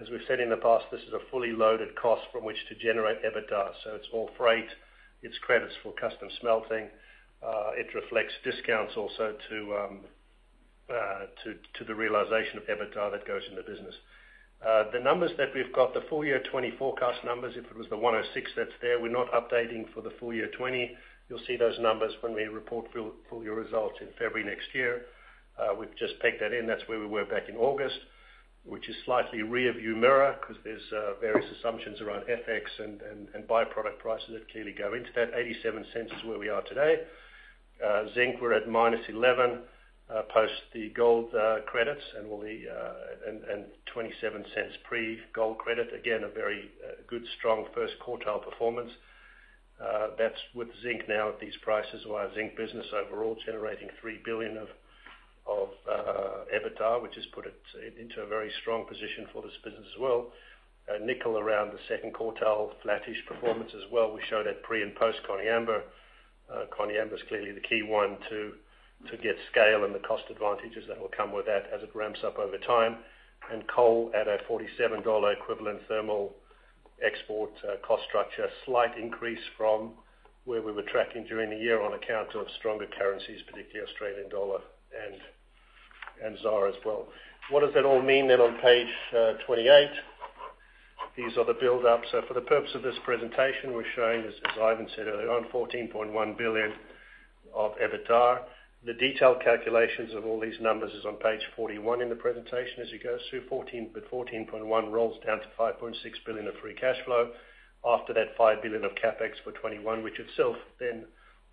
As we've said in the past, this is a fully loaded cost from which to generate EBITDA. It's all freight, it's credits for custom smelting. It reflects discounts also to the realization of EBITDA that goes in the business. The numbers that we've got, the full-year 2020 forecast numbers, if it was the 106 that's there, we're not updating for the full-year 2020. You'll see those numbers when we report full-year results in February next year. We've just pegged that in. That's where we were back in August, which is slightly rearview mirror because there's various assumptions around FX and byproduct prices that clearly go into that. $0.87 is where we are today. Zinc, we're at -11 post the gold credits and $0.27 pre-gold credit. Again, a very good, strong first quartile performance. That's with zinc now at these prices. Zinc business overall is generating $3 billion of EBITDA, which has put it into a very strong position for this business as well. Nickel around the second quartile, flattish performance as well. We showed at pre and post Koniambo. Koniambo is clearly the key one to get scale and the cost advantages that will come with that as it ramps up over time. Coal at a $47 equivalent thermal export cost structure. A slight increase from where we were tracking during the year on account of stronger currencies, particularly AUD and ZAR as well. What does that all mean on page 28? These are the build-ups. For the purpose of this presentation, we're showing, as Ivan said earlier, on $14.1 billion of EBITDA. The detailed calculations of all these numbers is on page 41 in the presentation as you go through. $14.1 rolls down to $5.6 billion of free cash flow. After that, $5 billion of CapEx for 2021, which itself then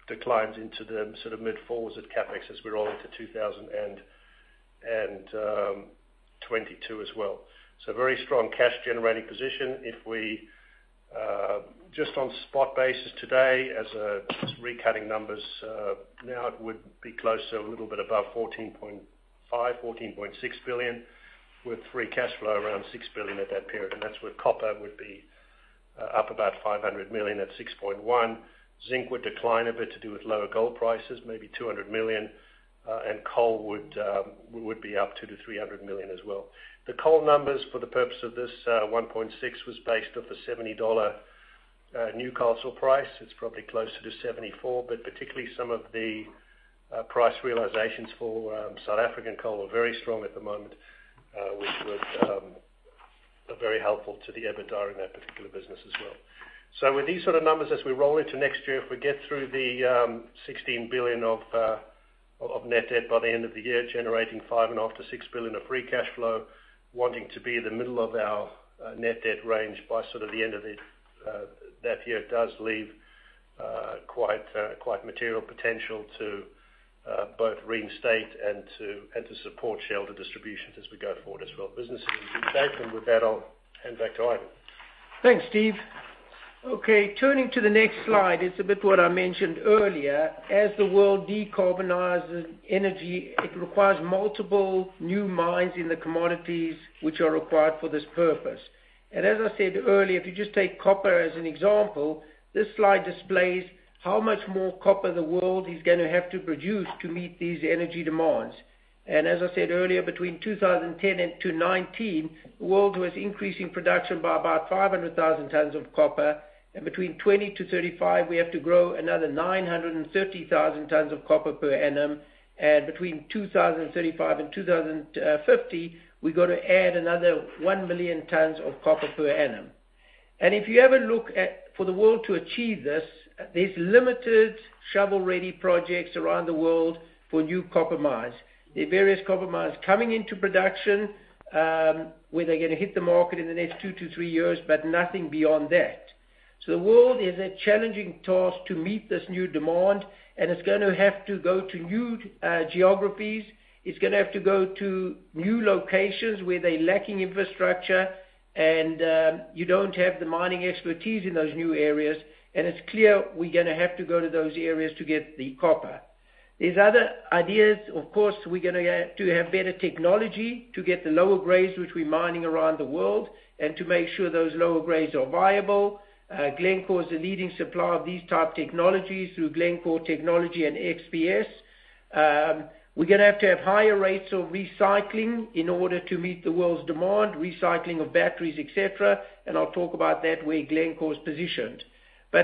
declines into the mid-four as at CapEx as we roll into 2022 as well. Very strong cash-generating position. If we just on spot basis today as recutting numbers now, it would be close to a little bit above $14.5 billion, $14.6 billion, with free cash flow around $6 billion at that period. That's where copper would be up about $500 million at $6.1. Zinc would decline a bit to do with lower gold prices, maybe $200 million, and coal would be up $200 million to $300 million as well. The coal numbers for the purpose of this 1.6 was based off a $70 Newcastle price. Particularly some of the price realizations for South African coal are very strong at the moment, which are very helpful to the EBITDA in that particular business as well. With these sort of numbers as we roll into next year, if we get through the $16 billion of net debt by the end of the year, generating $5.5 billion-$6 billion of free cash flow, wanting to be in the middle of our net debt range by the end of that year does leave quite material potential to both reinstate and to support shelter distributions as we go forward as well. Business as usual. With that, I'll hand back to Ivan. Thanks, Steve. Okay, turning to the next slide. It's a bit what I mentioned earlier. As the world decarbonizes energy, it requires multiple new mines in the commodities which are required for this purpose. As I said earlier, if you just take copper as an example, this slide displays how much more copper the world is going to have to produce to meet these energy demands. As I said earlier, between 2010 and 2019, the world was increasing production by about 500,000 tons of copper, and between 2020 to 2035, we have to grow another 930,000 tons of copper per annum. Between 2035 and 2050, we got to add another 1 million tons of copper per annum. If you have a look at, for the world to achieve this, there's limited shovel-ready projects around the world for new copper mines. There are various copper mines coming into production, where they're going to hit the market in the next two to three years, but nothing beyond that. The world has a challenging task to meet this new demand, and it's going to have to go to new geographies. It's going to have to go to new locations where they're lacking infrastructure, and you don't have the mining expertise in those new areas. It's clear we're going to have to go to those areas to get the copper. There's other ideas. Of course, we're going to have better technology to get the lower grades which we're mining around the world and to make sure those lower grades are viable. Glencore is a leading supplier of these type technologies through Glencore Technology and XPS. We're going to have to have higher rates of recycling in order to meet the world's demand, recycling of batteries, et cetera, and I'll talk about that, where Glencore is positioned.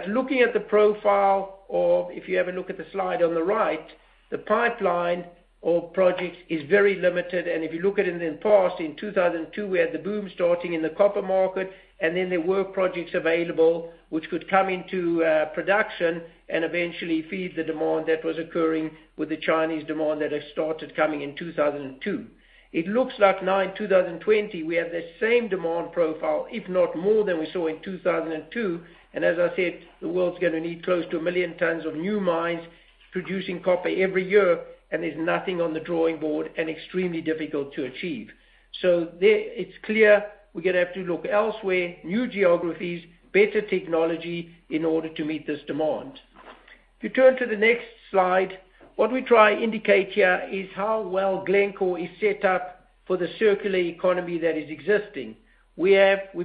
Looking at the profile of, if you have a look at the slide on the right, the pipeline of projects is very limited, and if you look at it in the past, in 2002, we had the boom starting in the copper market, and then there were projects available which could come into production and eventually feed the demand that was occurring with the Chinese demand that had started coming in 2002. It looks like now in 2020, we have the same demand profile, if not more than we saw in 2002. As I said, the world's going to need close to 1 million tons of new mines producing copper every year, and there's nothing on the drawing board and extremely difficult to achieve. It's clear we're going to have to look elsewhere, new geographies, better technology, in order to meet this demand. If you turn to the next slide, what we try indicate here is how well Glencore is set up for the circular economy that is existing. We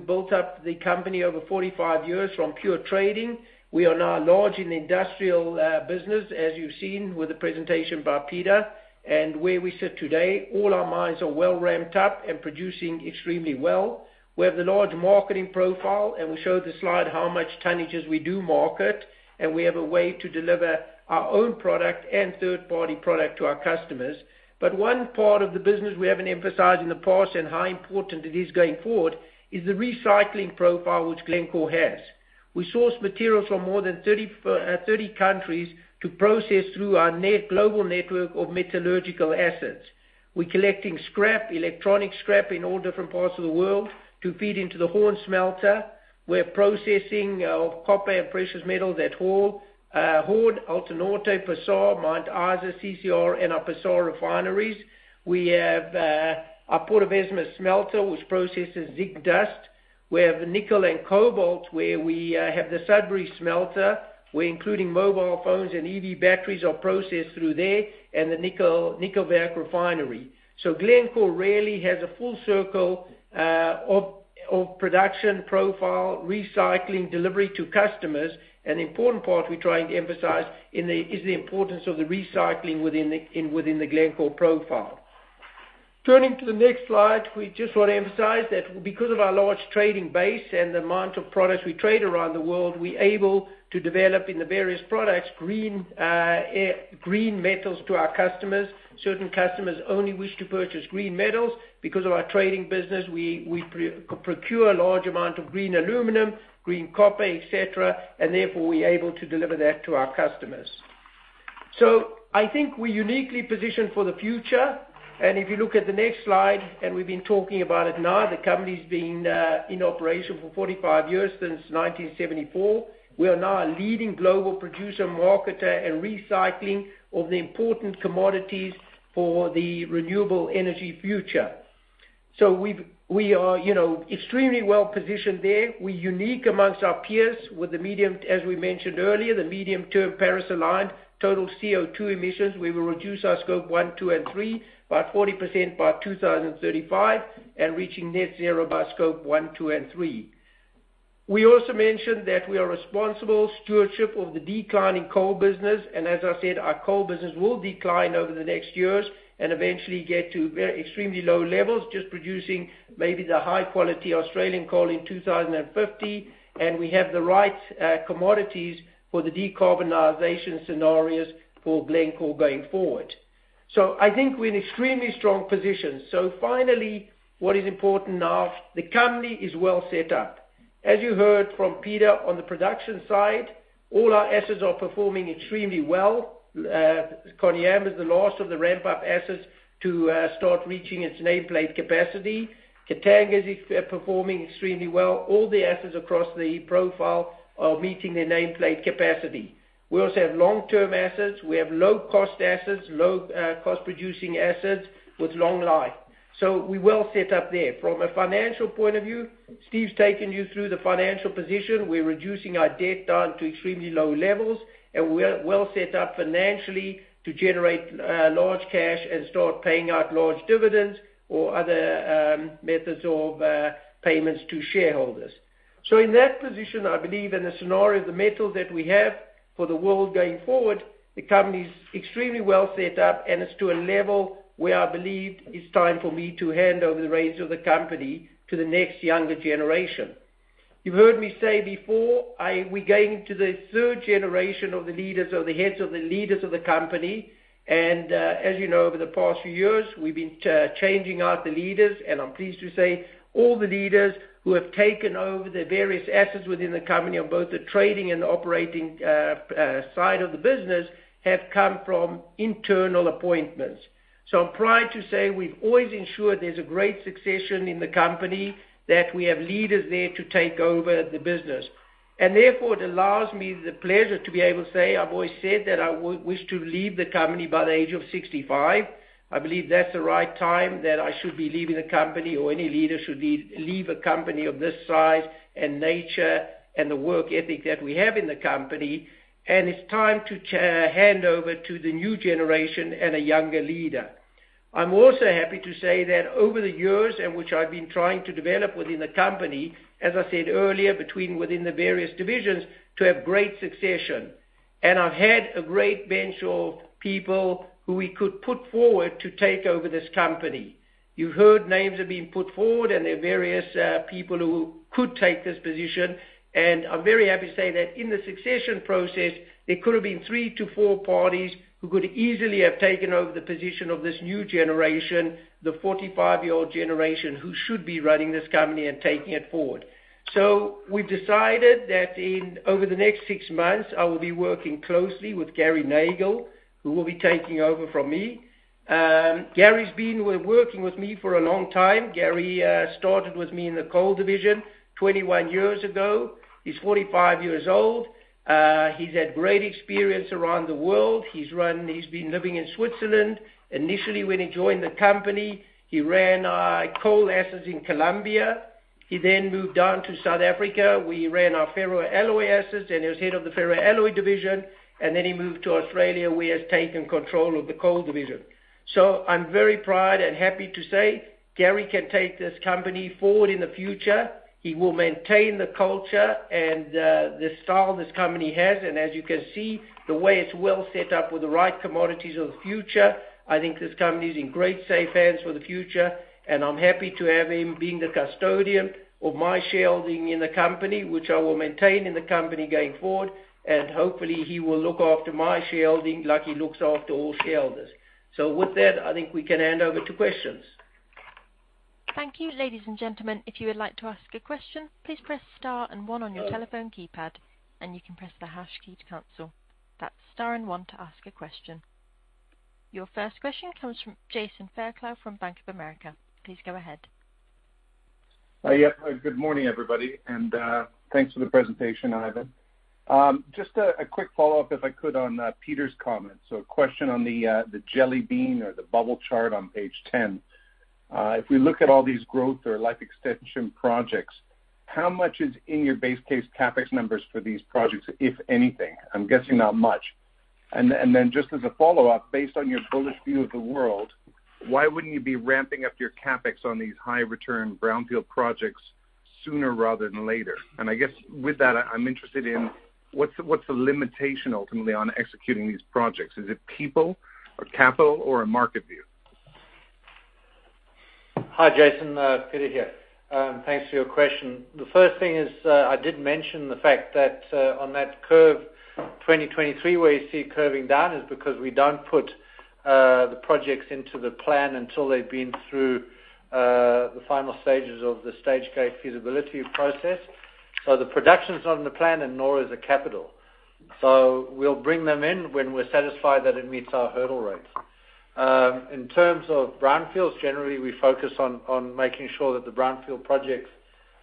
built up the company over 45 years from pure trading. We are now large in the industrial business, as you've seen with the presentation by Peter. Where we sit today, all our mines are well ramped up and producing extremely well. We have the large marketing profile, and we show the slide how much tonnages we do market, and we have a way to deliver our own product and third-party product to our customers. One part of the business we haven't emphasized in the past and how important it is going forward is the recycling profile which Glencore has. We source materials from more than 30 countries to process through our global network of metallurgical assets. We're collecting scrap, electronic scrap in all different parts of the world to feed into the Horne smelter. We're processing of copper and precious metals at Horne, Altonorte, PASAR, Mount Isa, CCR, and our PASAR refineries. We have our Portovesme smelter, which processes zinc dust. We have nickel and cobalt, where we have the Sudbury smelter. We're including mobile phones and EV batteries are processed through there and the Nikkelverk refinery. Glencore really has a full circle of production profile, recycling, delivery to customers. An important part we're trying to emphasize is the importance of the recycling within the Glencore profile. Turning to the next slide, we just want to emphasize that because of our large trading base and the amount of products we trade around the world, we're able to develop in the various products green metals to our customers. Certain customers only wish to purchase green metals. Because of our trading business, we procure a large amount of green aluminum, green copper, et cetera, and therefore, we're able to deliver that to our customers. I think we're uniquely positioned for the future. If you look at the next slide, and we've been talking about it now, the company's been in operation for 45 years, since 1974. We are now a leading global producer, marketer, and recycling of the important commodities for the renewable energy future. We are extremely well-positioned there. We're unique amongst our peers with the medium, as we mentioned earlier, the medium-term Paris-aligned total CO2 emissions. We will reduce our Scope 1, 2, and 3 by 40% by 2035 and reaching net zero by Scope 1, 2, and 3. We also mentioned that we are responsible stewardship of the declining coal business. As I said, our coal business will decline over the next years and eventually get to extremely low levels, just producing maybe the high-quality Australian coal in 2050. We have the right commodities for the decarbonization scenarios for Glencore going forward. I think we're in extremely strong position. Finally, what is important now, the company is well set up. As you heard from Peter on the production side, all our assets are performing extremely well. Koniambo is the last of the ramp-up assets to start reaching its nameplate capacity. Katanga is performing extremely well. All the assets across the profile are meeting their nameplate capacity. We also have long-term assets. We have low cost assets, low cost producing assets with long life. We're well set up there. From a financial point of view, Steve's taken you through the financial position. We're reducing our debt down to extremely low levels, and we're well set up financially to generate large cash and start paying out large dividends or other methods of payments to shareholders. In that position, I believe in the scenario of the metals that we have for the world going forward, the company's extremely well set up, and it's to a level where I believe it's time for me to hand over the reins of the company to the next younger generation. You've heard me say before, we're going to the third generation of the leaders or the heads of the leaders of the company. As you know, over the past few years, we've been changing out the leaders, and I'm pleased to say all the leaders who have taken over the various assets within the company on both the trading and operating side of the business have come from internal appointments. I'm proud to say we've always ensured there's a great succession in the company, that we have leaders there to take over the business. Therefore, it allows me the pleasure to be able to say, I've always said that I wish to leave the company by the age of 65. I believe that's the right time that I should be leaving the company, or any leader should leave a company of this size and nature and the work ethic that we have in the company, and it's time to hand over to the new generation and a younger leader. I'm also happy to say that over the years in which I've been trying to develop within the company, as I said earlier, within the various divisions to have great succession. I've had a great bench of people who we could put forward to take over this company. You've heard names have been put forward, and there are various people who could take this position, and I'm very happy to say that in the succession process, there could have been three to four parties who could easily have taken over the position of this new generation, the 45-year-old generation who should be running this company and taking it forward. We've decided that over the next six months, I will be working closely with Gary Nagle, who will be taking over from me. Gary's been working with me for a long time. Gary started with me in the coal division 21 years ago. He's 45 years old. He's had great experience around the world. He's been living in Switzerland. Initially, when he joined the company, he ran our coal assets in Colombia. He then moved on to South Africa, where he ran our ferroalloy assets and he was head of the ferroalloy division. He moved to Australia, where he has taken control of the coal division. I'm very proud and happy to say Gary can take this company forward in the future. He will maintain the culture and the style this company has, and as you can see, the way it's well set up with the right commodities of the future, I think this company is in great safe hands for the future, and I'm happy to have him being the custodian of my shareholding in the company, which I will maintain in the company going forward. Hopefully, he will look after my shareholding like he looks after all shareholders. With that, I think we can hand over to questions. Your first question comes from Jason Fairclough from Bank of America. Please go ahead. Good morning, everybody, thanks for the presentation, Ivan. Just a quick follow-up, if I could, on Peter's comments. A question on the jelly bean or the bubble chart on page 10. If we look at all these growth or life extension projects, how much is in your base case CapEx numbers for these projects, if anything? I'm guessing not much. Just as a follow-up, based on your bullish view of the world, why wouldn't you be ramping up your CapEx on these high-return brownfield projects sooner rather than later? I guess with that, I'm interested in what's the limitation ultimately on executing these projects. Is it people or capital or a market view? Hi, Jason. Peter here. Thanks for your question. The first thing is, I did mention the fact that on that curve, 2023, where you see it curving down is because we don't put the projects into the plan until they've been through the final stages of the stage gate feasibility process. The production is not in the plan, and nor is the capital. We'll bring them in when we're satisfied that it meets our hurdle rates. In terms of brownfields, generally, we focus on making sure that the brownfield projects,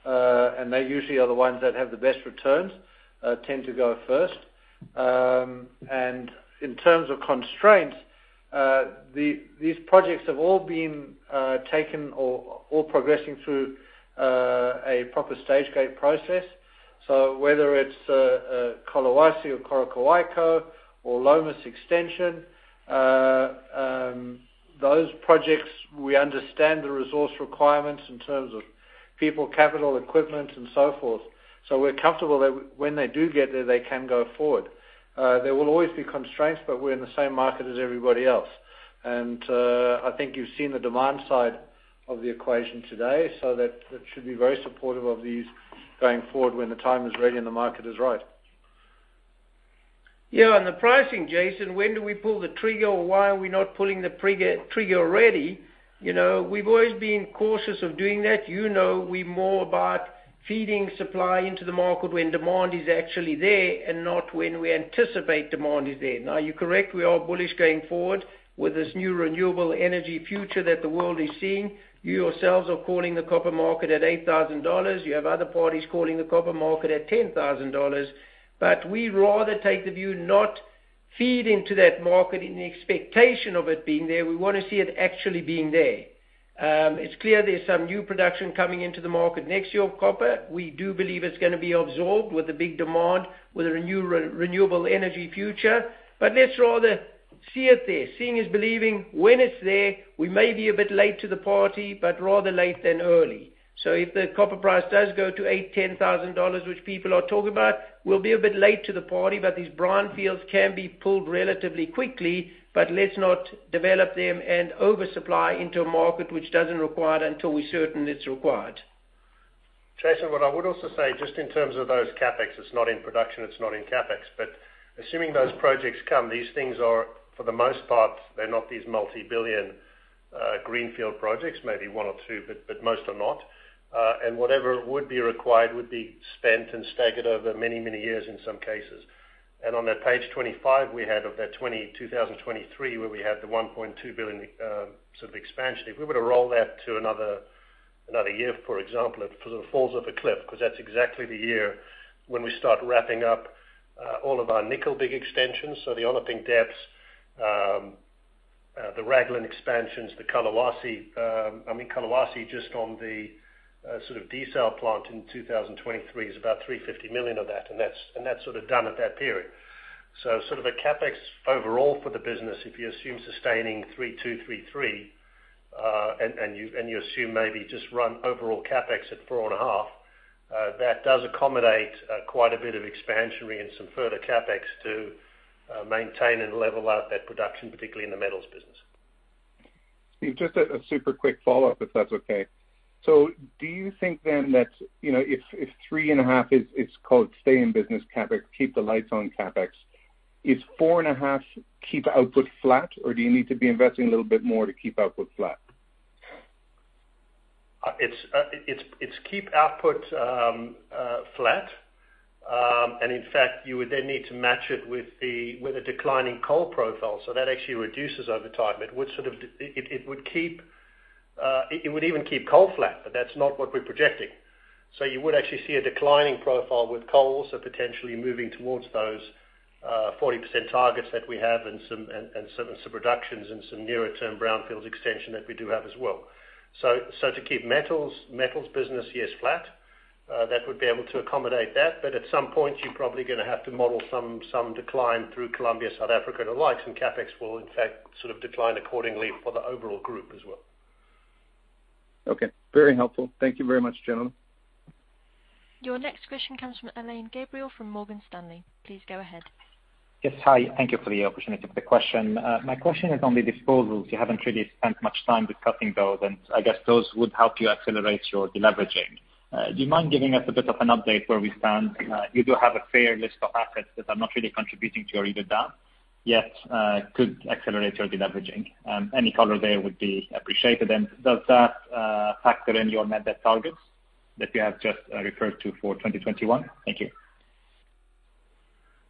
and they usually are the ones that have the best returns, tend to go first. In terms of constraints, these projects have all been taken or all progressing through a proper stage gate process. Whether it's Collahuasi or Coroccohuayco or Lomas Bayas extension, those projects, we understand the resource requirements in terms of people, capital, equipment, and so forth. We're comfortable that when they do get there, they can go forward. There will always be constraints, but we're in the same market as everybody else. I think you've seen the demand side of the equation today, so that should be very supportive of these going forward when the time is ready and the market is right. On the pricing, Jason, when do we pull the trigger, or why are we not pulling the trigger already? You know we're more about feeding supply into the market when demand is actually there and not when we anticipate demand is there. Now, you're correct, we are bullish going forward with this new renewable energy future that the world is seeing. You yourselves are calling the copper market at $8,000. You have other parties calling the copper market at $10,000. We'd rather take the view not feed into that market in the expectation of it being there. We want to see it actually being there. It's clear there's some new production coming into the market next year of copper. We do believe it's going to be absorbed with the big demand with a renewable energy future. Let's rather see it there. Seeing is believing. When it's there, we may be a bit late to the party, but rather late than early. If the copper price does go to eight, $10,000, which people are talking about, we'll be a bit late to the party, but these brownfields can be pulled relatively quickly, but let's not develop them and oversupply into a market which doesn't require it until we're certain it's required. Jason, what I would also say, just in terms of those CapEx, it's not in production, it's not in CapEx. Assuming those projects come, these things are, for the most part, they're not these multi-billion greenfield projects. Maybe one or two, most are not. Whatever would be required would be spent and staggered over many years in some cases. On that page 25 we had of that 2023, where we had the $1.2 billion expansion. If we were to roll that to another year, for example, it sort of falls off a cliff because that's exactly the year when we start wrapping up all of our nickel big extensions. The Onaping Depth, the Raglan expansions, the Collahuasi just on the desal plant in 2023 is about $350 million of that, and that's sort of done at that period. Sort of a CapEx overall for the business, if you assume sustaining 3,233, and you assume maybe just run overall CapEx at $four and a half, that does accommodate quite a bit of expansionary and some further CapEx to maintain and level out that production, particularly in the metals business. Steve, just a super quick follow-up, if that's okay. Do you think then that, if three and a half is called stay in business CapEx, keep the lights on CapEx, is four and a half keep output flat or do you need to be investing a little bit more to keep output flat? It's to keep output flat. In fact, you would then need to match it with a declining coal profile, so that actually reduces over time. It would even keep coal flat, but that's not what we're projecting. You would actually see a declining profile with coal, so potentially moving towards those 40% targets that we have and some reductions and some nearer term brownfields extension that we do have as well. To keep metals business, yes, flat, that would be able to accommodate that. At some point, you're probably going to have to model some decline through Colombia, South Africa and the likes, and CapEx will in fact sort of decline accordingly for the overall group as well. Okay. Very helpful. Thank you very much, gentlemen. Your next question comes from Alain Gabriel from Morgan Stanley. Please go ahead. Yes. Hi. Thank you for the opportunity to ask the question. My question is on the disposals. You haven't really spent much time discussing those, and I guess those would help you accelerate your deleveraging. Do you mind giving us a bit of an update where we stand? You do have a fair list of assets that are not really contributing to your EBITDA, yet could accelerate your deleveraging. Any color there would be appreciated then. Does that factor in your net debt targets that you have just referred to for 2021? Thank you.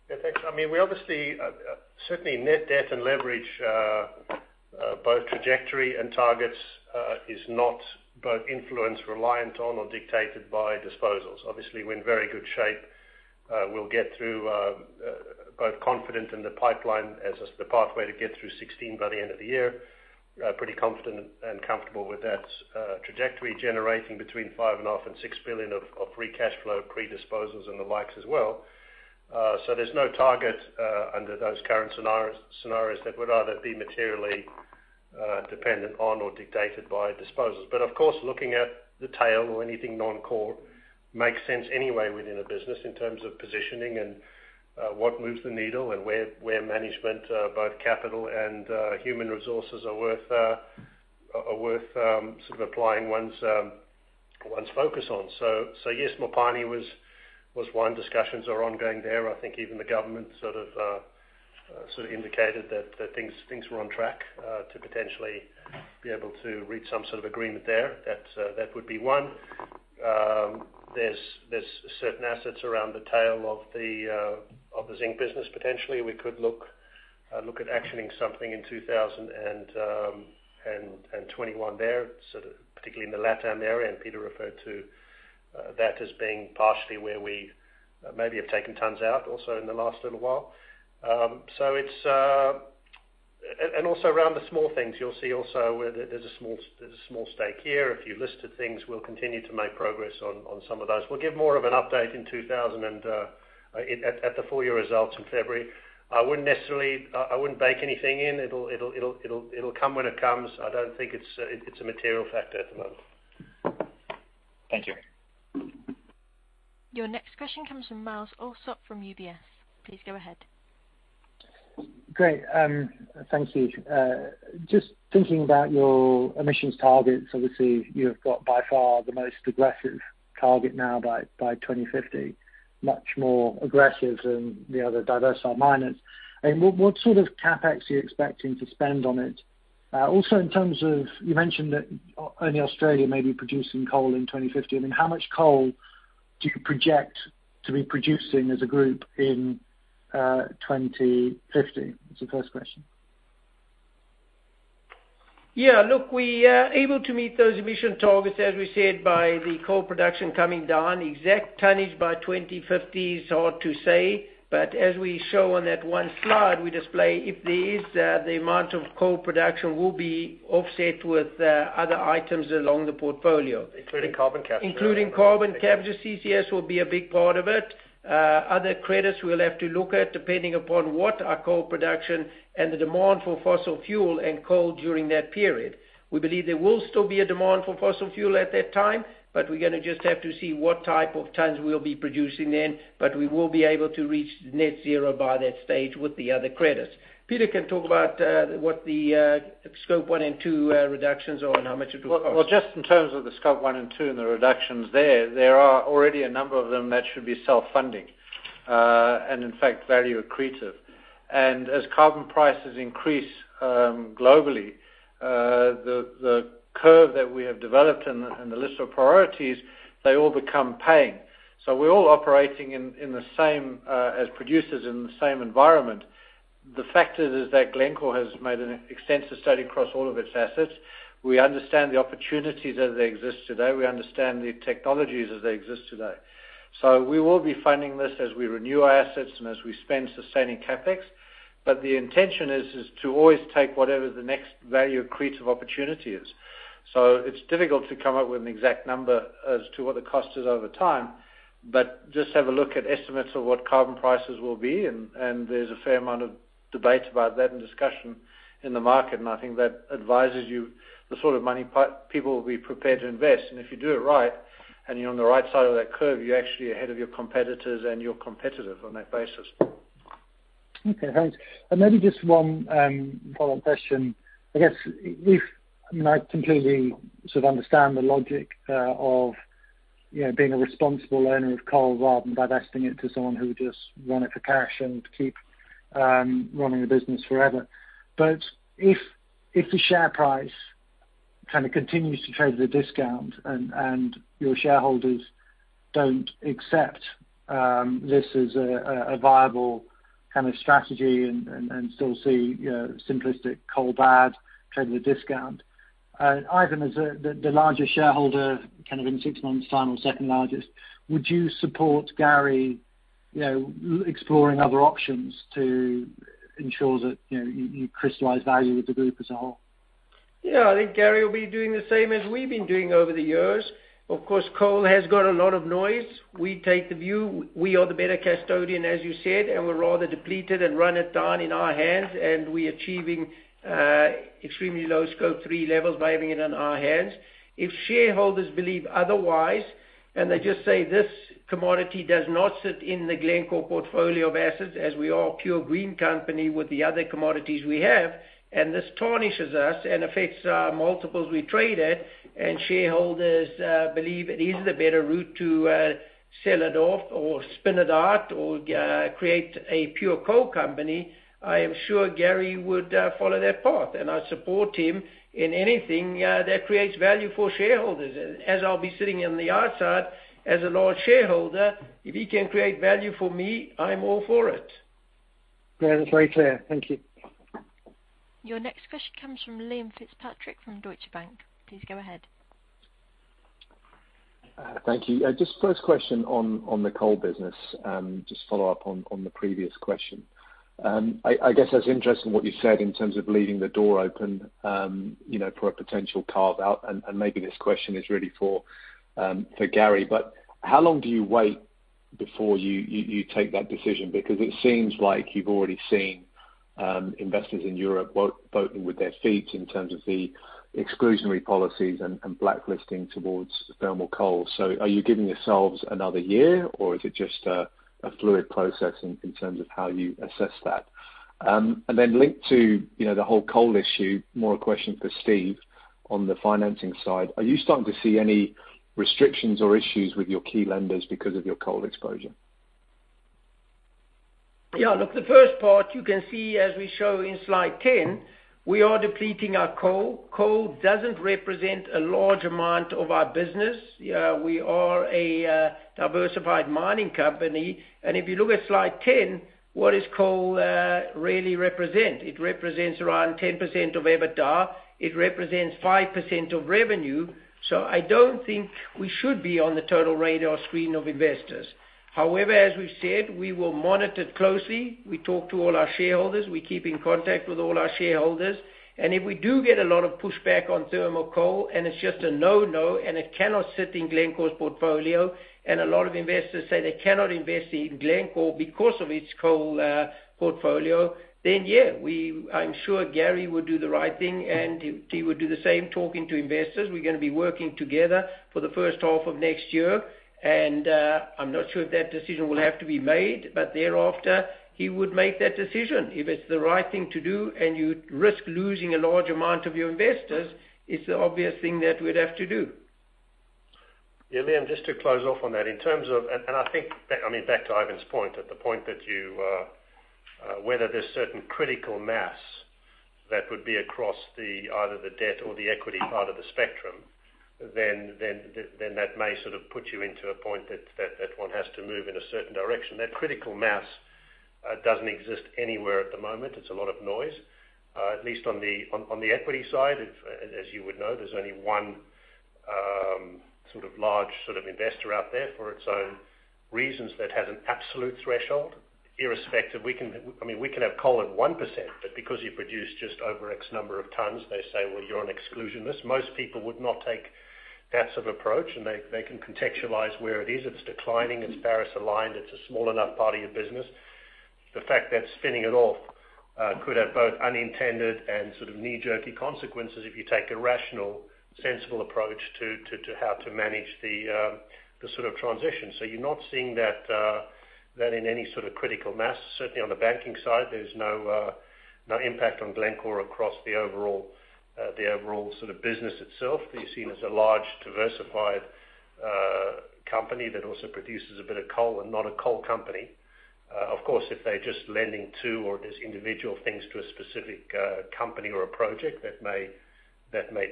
Yeah, thanks. We obviously certainly net debt and leverage, both trajectory and targets, is not reliant on or dictated by disposals. Obviously, we're in very good shape. We'll get through both confident in the pipeline as the pathway to get through 2016 by the end of the year. Pretty confident and comfortable with that trajectory generating between $5.5 billion and $6 billion of free cash flow pre-disposals and the likes as well. There's no target under those current scenarios that would either be materially dependent on or dictated by disposals. Of course, looking at the tail or anything non-core makes sense anyway within a business in terms of positioning and what moves the needle and where management, both capital and human resources are worth applying one's focus on. Yes, Mopani was one. Discussions are ongoing there. I think even the government sort of indicated that things were on track to potentially be able to reach some sort of agreement there. That would be one. There is certain assets around the tail of the zinc business. Potentially we could look at actioning something in 2021 there, sort of particularly in the Latam area, and Peter referred to that as being partially where we maybe have taken tons out also in the last little while. And also around the small things, you will see also there is a small stake here. A few listed things we will continue to make progress on some of those. We will give more of an update at the full-year results in February. I wouldn't bake anything in. It will come when it comes. I don't think it is a material factor at the moment. Thank you. Your next question comes from Myles Allsop from UBS. Please go ahead. Great. Thank you. Just thinking about your emissions targets. Obviously, you've got by far the most aggressive target now by 2050, much more aggressive than the other diversified miners. What sort of CapEx are you expecting to spend on it? Also, in terms of, you mentioned that only Australia may be producing coal in 2050. How much coal do you project to be producing as a group in 2050? That's the first question. Yeah, look, we are able to meet those emission targets, as we said, by the coal production coming down. Exact tonnage by 2050 is hard to say, but as we show on that one slide we display, if there is, the amount of coal production will be offset with other items along the portfolio. Including carbon capture. Including carbon capture. CCS will be a big part of it. Other credits we'll have to look at, depending upon what our coal production and the demand for fossil fuel and coal during that period. We believe there will still be a demand for fossil fuel at that time, we're going to just have to see what type of tons we'll be producing then. We will be able to reach net zero by that stage with the other credits. Peter can talk about what the Scope 1 and 2 reductions are and how much it will cost. Well, just in terms of the Scope 1 and 2 and the reductions there are already a number of them that should be self-funding. In fact, value accretive. As carbon prices increase globally, the curve that we have developed and the list of priorities, they all become gain. We're all operating as producers in the same environment. The fact is that Glencore has made an extensive study across all of its assets. We understand the opportunities as they exist today. We understand the technologies as they exist today. We will be funding this as we renew our assets and as we spend sustaining CapEx. The intention is to always take whatever the next value accretive opportunity is. It's difficult to come up with an exact number as to what the cost is over time, but just have a look at estimates of what carbon prices will be, and there's a fair amount of debate about that, and discussion in the market, and I think that advises you the sort of money people will be prepared to invest. If you do it right, and you're on the right side of that curve, you're actually ahead of your competitors and you're competitive on that basis. Okay, thanks. Maybe just one follow-up question. I completely sort of understand the logic of being a responsible owner of coal rather than divesting it to someone who would just want it for cash and keep running the business forever. If the share price kind of continues to trade at a discount and your shareholders don't accept this as a viable kind of strategy and still see simplistic coal bad, trade at a discount, Ivan, as the largest shareholder, kind of in six months time or second largest, would you support Gary exploring other options to ensure that you crystallize value with the group as a whole? I think Gary will be doing the same as we've been doing over the years. Of course, coal has got a lot of noise. We take the view, we are the better custodian, as you said, and we'd rather deplete it and run it down in our hands, and we're achieving extremely low Scope 3 levels by having it in our hands. If shareholders believe otherwise, they just say this commodity does not sit in the Glencore portfolio of assets as we are a pure green company with the other commodities we have This tarnishes us and affects our multiples we trade at, shareholders believe it is the better route to sell it off or spin it out or create a pure coal company, I am sure Gary would follow that path, and I support him in anything that creates value for shareholders. As I'll be sitting on the outside as a large shareholder, if he can create value for me, I'm all for it. Yeah, that's very clear. Thank you. Your next question comes from Liam Fitzpatrick from Deutsche Bank. Please go ahead. Thank you. First question on the coal business, follow up on the previous question. That's interesting what you said in terms of leaving the door open for a potential carve-out. Maybe this question is really for Gary. How long do you wait before you take that decision? It seems like you've already seen investors in Europe voting with their feet in terms of the exclusionary policies and blacklisting towards thermal coal. Are you giving yourselves another year, or is it just a fluid process in terms of how you assess that? Linked to the whole coal issue, more a question for Steve on the financing side, are you starting to see any restrictions or issues with your key lenders because of your coal exposure? Yeah, look, the first part you can see as we show in slide 10, we are depleting our coal. Coal doesn't represent a large amount of our business. We are a diversified mining company. If you look at slide 10, what does coal really represent? It represents around 10% of EBITDA. It represents 5% of revenue. I don't think we should be on the total radar screen of investors. However, as we've said, we will monitor it closely. We talk to all our shareholders. We keep in contact with all our shareholders. If we do get a lot of pushback on thermal coal, and it's just a no-no, and it cannot sit in Glencore's portfolio, and a lot of investors say they cannot invest in Glencore because of its coal portfolio, yeah, I'm sure Gary would do the right thing and he would do the same talking to investors. We're gonna be working together for the first half of next year, and I'm not sure if that decision will have to be made, but thereafter, he would make that decision. If it's the right thing to do and you risk losing a large amount of your investors, it's the obvious thing that we'd have to do. Yeah, Liam, just to close off on that. I mean, back to Ivan's point, at the point that whether there is certain critical mass that would be across either the debt or the equity part of the spectrum, then that may sort of put you into a point that one has to move in a certain direction. That critical mass doesn't exist anywhere at the moment. It's a lot of noise. At least on the equity side, as you would know, there's only one sort of large investor out there for its own reasons that has an absolute threshold, irrespective. I mean, we can have coal at 1%, but because you produce just over X number of tons, they say, well, you're an exclusionist. Most people would not take that sort of approach, and they can contextualize where it is. It's declining, it's Paris-aligned, it's a small enough part of your business. The fact that spinning it off could have both unintended and sort of knee-jerky consequences if you take a rational, sensible approach to how to manage the sort of transition. You're not seeing that in any sort of critical mass. Certainly, on the banking side, there's no impact on Glencore across the overall sort of business itself. We're seen as a large diversified company that also produces a bit of coal and not a coal company. Of course, if they're just lending to or there's individual things to a specific company or a project that may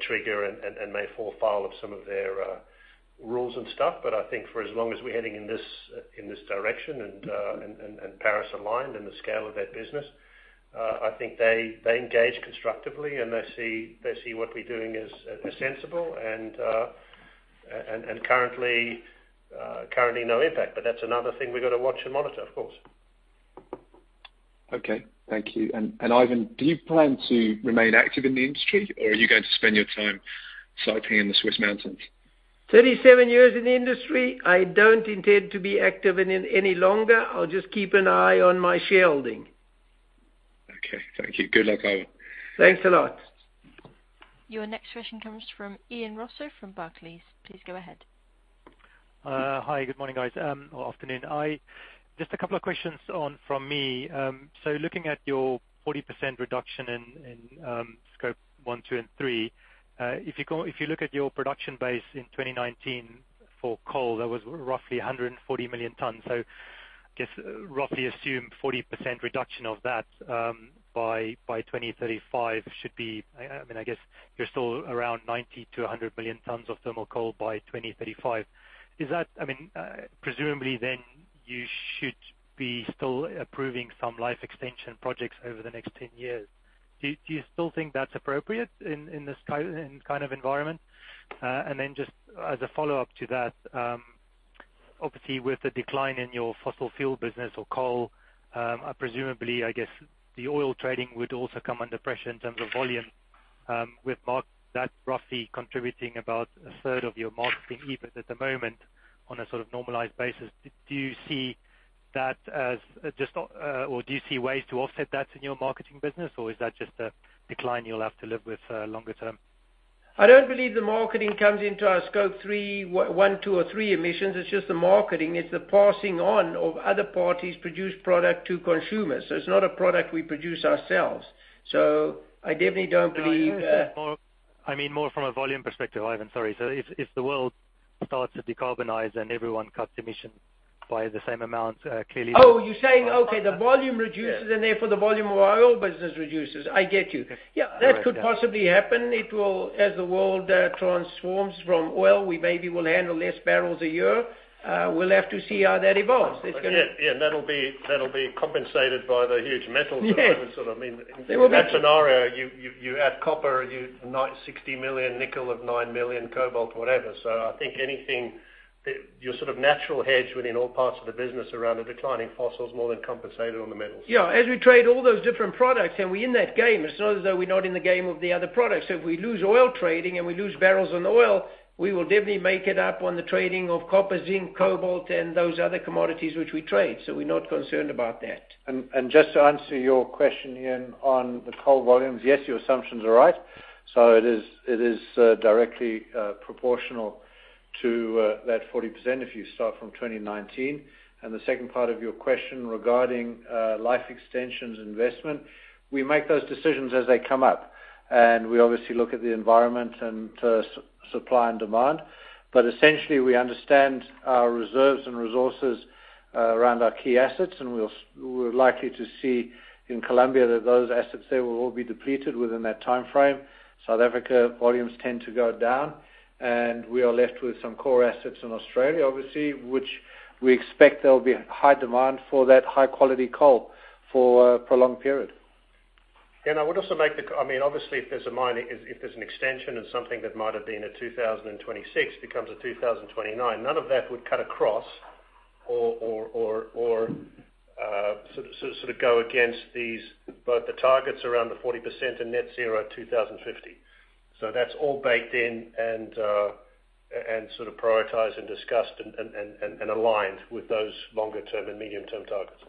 trigger and may fall foul of some of their rules and stuff. I think for as long as we're heading in this direction and Paris-aligned and the scale of that business, I think they engage constructively, and they see what we're doing as sensible and currently no impact. That's another thing we've got to watch and monitor, of course. Okay. Thank you. Ivan, do you plan to remain active in the industry, or are you going to spend your time cycling in the Swiss mountains? 37 years in the industry, I don't intend to be active any longer. I'll just keep an eye on my shareholding. Okay. Thank you. Good luck, Ivan. Thanks a lot. Your next question comes from Ian Rossouw from Barclays. Please go ahead. Hi. Good morning, guys or afternoon. Just a couple of questions from me. Looking at your 40% reduction in Scope 1, 2 and 3, if you look at your production base in 2019 for coal, that was roughly 140 million tons. I guess, roughly assume 40% reduction of that by 2035 should be, I guess, you're still around 90-100 million tons of thermal coal by 2035. Presumably, you should be still approving some life extension projects over the next 10 years. Do you still think that's appropriate in this kind of environment? Just as a follow-up to that, obviously with the decline in your fossil fuel business or coal, presumably, I guess the oil trading would also come under pressure in terms of volume. With that roughly contributing about a third of your marketing EBIT at the moment on a sort of normalized basis. Do you see ways to offset that in your marketing business, or is that just a decline you'll have to live with longer term? I don't believe the marketing comes into our Scope 1, 2 or 3 emissions. It's just the marketing. It's the passing on of other parties produce product to consumers. It's not a product we produce ourselves. I mean more from a volume perspective, Ivan, sorry. If the world starts to decarbonize and everyone cuts emissions by the same amount, clearly. You're saying, okay, the volume reduces and therefore the volume of our oil business reduces. I get you. Yeah, that could possibly happen. As the world transforms from oil, we maybe will handle less barrels a year. We'll have to see how that evolves. Yeah, that'll be compensated by the huge metals. Sort of in that scenario, you add copper, 60 million nickel of 9 million cobalt, whatever. I think your sort of natural hedge within all parts of the business around a decline in fossil is more than compensated on the metals. As we trade all those different products and we're in that game, it's not as though we're not in the game of the other products. If we lose oil trading and we lose barrels on oil, we will definitely make it up on the trading of copper, zinc, cobalt and those other commodities which we trade. We're not concerned about that. Just to answer your question, Ian, on the coal volumes, yes, your assumptions are right. It is directly proportional to that 40% if you start from 2019. The second part of your question regarding life extensions investment, we make those decisions as they come up. We obviously look at the environment and supply and demand. Essentially, we understand our reserves and resources around our key assets, and we're likely to see in Colombia that those assets there will all be depleted within that timeframe. South Africa volumes tend to go down, and we are left with some core assets in Australia, obviously, which we expect there will be high demand for that high-quality coal for a prolonged period. Obviously, if there's a mine, if there's an extension and something that might have been a 2026 becomes a 2029, none of that would cut across or sort of go against these, both the targets around the 40% and net zero 2050. That's all baked in and sort of prioritized and discussed and aligned with those longer-term and medium-term targets.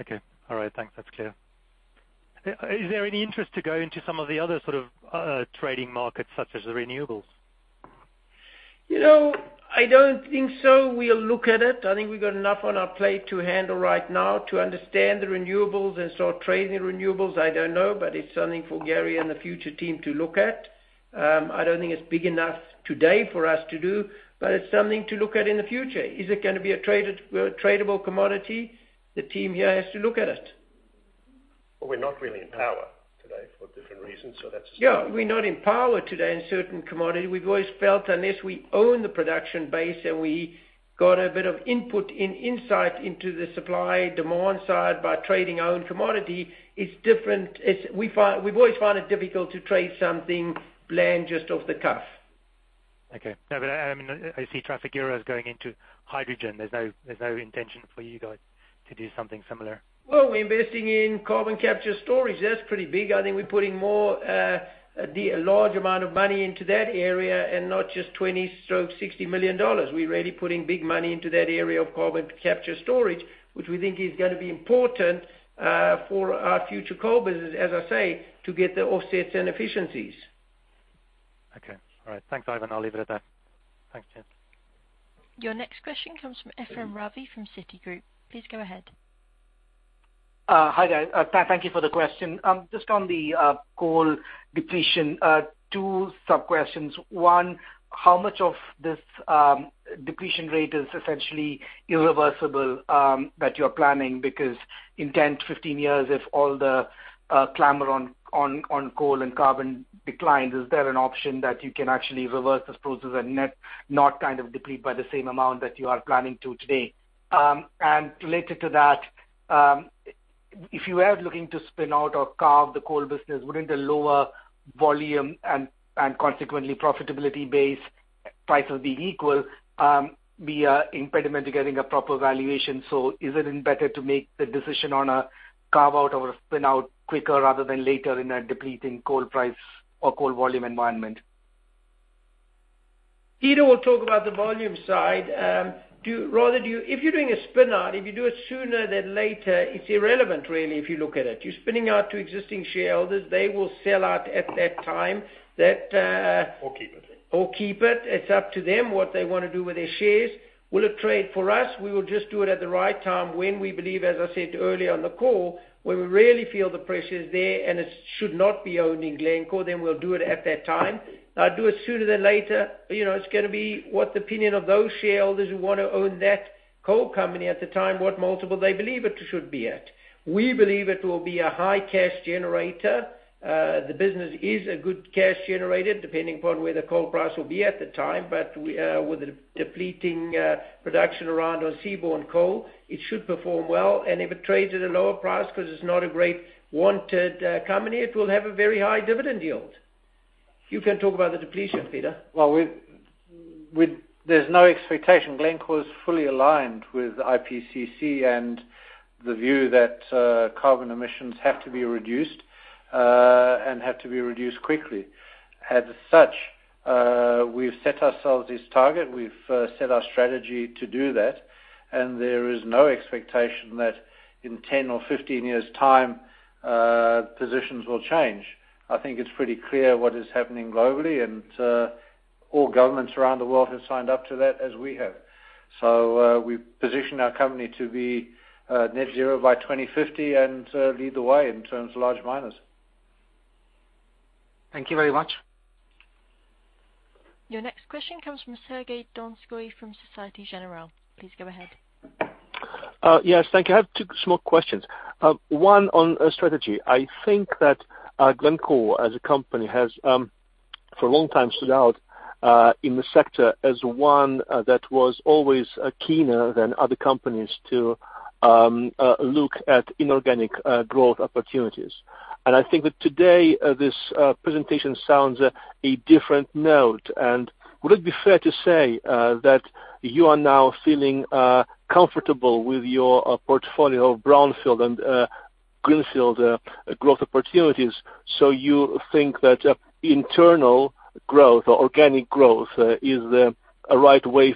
Okay. All right. Thanks. That's clear. Is there any interest to go into some of the other sort of trading markets, such as renewables? I don't think so. We'll look at it. I think we've got enough on our plate to handle right now to understand the renewables and start trading renewables, I don't know, but it's something for Gary and the future team to look at. I don't think it's big enough today for us to do, but it's something to look at in the future. Is it going to be a tradable commodity? The team here has to look at it. Well, we're not really in power today for different reasons. We're not in power today in a certain commodity. We've always felt unless we own the production base and we got a bit of input and insight into the supply/demand side by trading our own commodity, it's different. We've always found it difficult to trade something bland just off the cuff. Okay. No, I see Trafigura is going into hydrogen. There's no intention for you guys to do something similar? Well, we're investing in carbon capture storage. That's pretty big. I think we're putting more, a large amount of money into that area and not just $20 million to $60 million. We're really putting big money into that area of carbon capture storage, which we think is going to be important for our future coal business, as I say, to get the offsets and efficiencies. Okay. All right. Thanks, Ivan. I'll leave it at that. Thanks, Ian. Your next question comes from Ephrem Ravi from Citigroup. Please go ahead. Hi there. Thank you for the question. Just on the coal depletion, two sub-questions. One, how much of this depletion rate is essentially irreversible that you're planning? In 10 to 15 years, if all the clamor on coal and carbon declines, is there an option that you can actually reverse this process and net not deplete by the same amount that you are planning to today? Related to that, if you were looking to spin out or carve the coal business, wouldn't the lower volume and consequently profitability base price will be equal, be an impediment to getting a proper valuation? Is it better to make the decision on a carve-out or a spin-out quicker rather than later in a depleting coal price or coal volume environment? Peter will talk about the volume side. If you're doing a spin-out, if you do it sooner than later, it's irrelevant, really, if you look at it. You're spinning out to existing shareholders. They will sell out at that time. Keep it. Keep it. It's up to them what they want to do with their shares. Will it trade for us? We will just do it at the right time when we believe, as I said earlier on the call, when we really feel the pressure is there and it should not be owned in Glencore, we'll do it at that time. Do it sooner than later, it's going to be what the opinion of those shareholders who want to own that coal company at the time, what multiple they believe it should be at. We believe it will be a high cash generator. The business is a good cash generator, depending upon where the coal price will be at the time. With the depleting production around on seaborne coal, it should perform well. If it trades at a lower price because it’s not a great wanted company, it will have a very high dividend yield. You can talk about the depletion, Peter. Well, there's no expectation. Glencore is fully aligned with IPCC and the view that carbon emissions have to be reduced and have to be reduced quickly. As such, we've set ourselves this target. We've set our strategy to do that, and there is no expectation that in 10 or 15 years' time, positions will change. I think it's pretty clear what is happening globally, and all governments around the world have signed up to that as we have. We position our company to be net zero by 2050 and lead the way in terms of large miners. Thank you very much. Your next question comes from Sergey Donskoy from Societe Generale. Please go ahead. Yes, thank you. I have two small questions. One on strategy. I think that Glencore, as a company, has for a long time stood out in the sector as one that was always keener than other companies to look at inorganic growth opportunities. I think that today, this presentation sounds a different note. Would it be fair to say that you are now feeling comfortable with your portfolio of brownfield and greenfield growth opportunities, so you think that internal growth or organic growth is a right way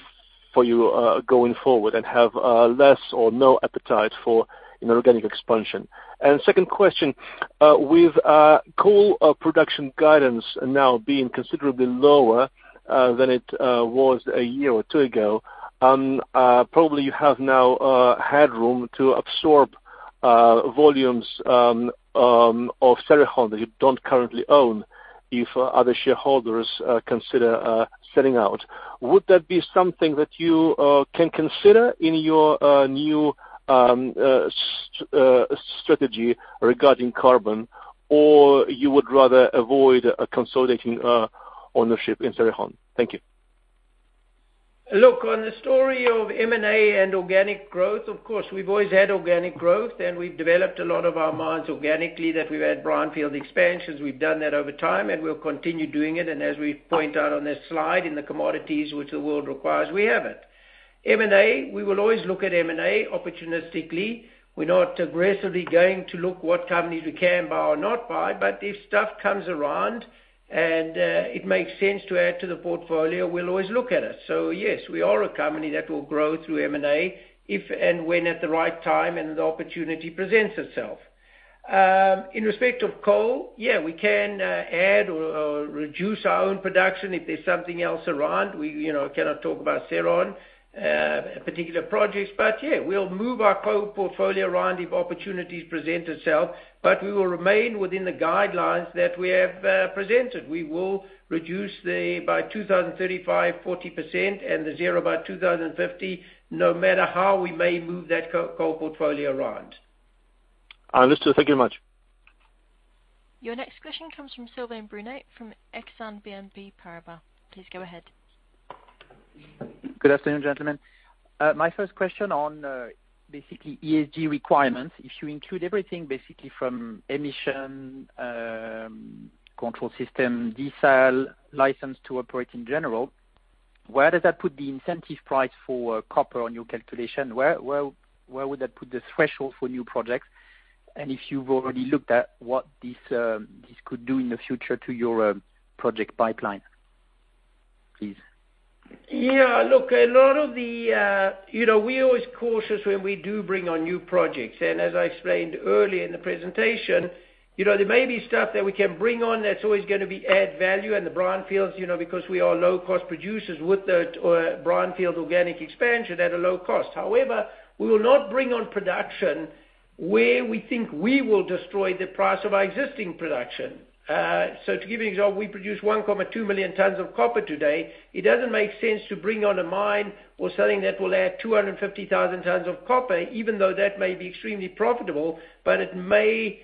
for you going forward and have less or no appetite for inorganic expansion? Second question, with coal production guidance now being considerably lower than it was a year or two ago, probably you have now headroom to absorb volumes of Cerrejón that you don't currently own if other shareholders consider selling out. Would that be something that you can consider in your new strategy regarding carbon, or you would rather avoid consolidating ownership in Cerrejón? Thank you. Look, on the story of M&A and organic growth, of course, we've always had organic growth, and we've developed a lot of our mines organically that we've had brownfield expansions. We've done that over time, and we'll continue doing it. As we point out on this slide, in the commodities which the world requires, we have it. M&A, we will always look at M&A opportunistically. We're not aggressively going to look what companies we can buy or not buy. If stuff comes around and it makes sense to add to the portfolio, we'll always look at it. Yes, we are a company that will grow through M&A if and when at the right time and the opportunity presents itself. In respect of coal, yeah, we can add or reduce our own production if there's something else around. We cannot talk about Cerrejón, a particular project, but yeah, we'll move our coal portfolio around if opportunities present itself, but we will remain within the guidelines that we have presented. We will reduce by 2035, 40%, and the zero by 2050, no matter how we may move that coal portfolio around. Understood. Thank you much. Your next question comes from Sylvain Brunet from Exane BNP Paribas. Please go ahead. Good afternoon, gentlemen. My first question on basically ESG requirements. If you include everything basically from emission control system, social license to operate in general, where does that put the incentive price for copper on your calculation? Where would that put the threshold for new projects? If you've already looked at what this could do in the future to your project pipeline? Please. Yeah. We're always cautious when we do bring on new projects. As I explained earlier in the presentation, there may be stuff that we can bring on that's always going to be add value in the brownfields, because we are low-cost producers with that brownfield organic expansion at a low cost. However, we will not bring on production where we think we will destroy the price of our existing production. To give you an example, we produce 1.2 million tons of copper today. It doesn't make sense to bring on a mine or something that will add 250,000 tons of copper, even though that may be extremely profitable, but it may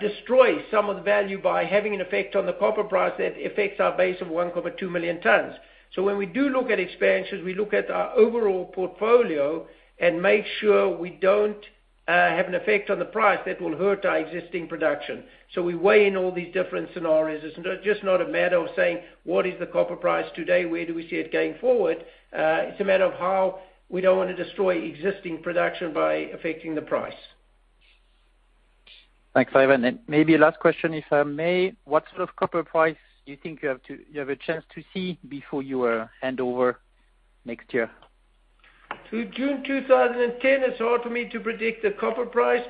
destroy some of the value by having an effect on the copper price that affects our base of 1.2 million tons. When we do look at expansions, we look at our overall portfolio and make sure we don't have an effect on the price that will hurt our existing production. We weigh in all these different scenarios. It's just not a matter of saying, "What is the copper price today? Where do we see it going forward?" It's a matter of how we don't want to destroy existing production by affecting the price. Thanks, Ivan. Maybe last question, if I may. What sort of copper price do you think you have a chance to see before you hand over next year? Through June 2010, it's hard for me to predict the copper price.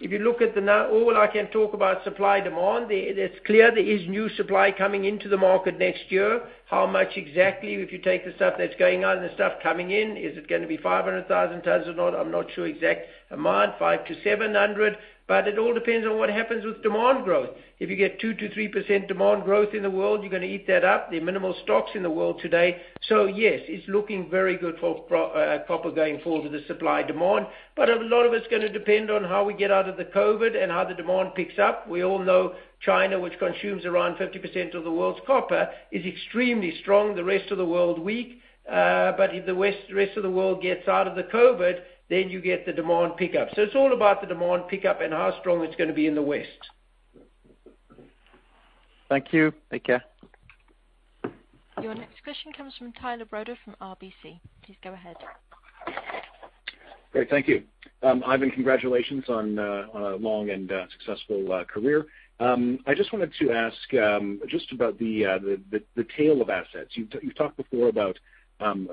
If you look at the now, all I can talk about supply, demand. It's clear there is new supply coming into the market next year. How much exactly? If you take the stuff that's going out and the stuff coming in, is it going to be 500,000 tons or not? I'm not sure exact amount, 5-700, but it all depends on what happens with demand growth. If you get 2% to 3% demand growth in the world, you're going to eat that up. There are minimal stocks in the world today. Yes, it's looking very good for copper going forward with the supply demand, but a lot of it's going to depend on how we get out of the COVID-19 and how the demand picks up. We all know China, which consumes around 50% of the world's copper, is extremely strong, the rest of the world weak. If the rest of the world gets out of the COVID, you get the demand pickup. It's all about the demand pickup and how strong it's going to be in the West. Thank you. Take care. Your next question comes from Tyler Broda from RBC. Please go ahead. Great. Thank you. Ivan, congratulations on a long and successful career. I just wanted to ask just about the tail of assets. You've talked before about some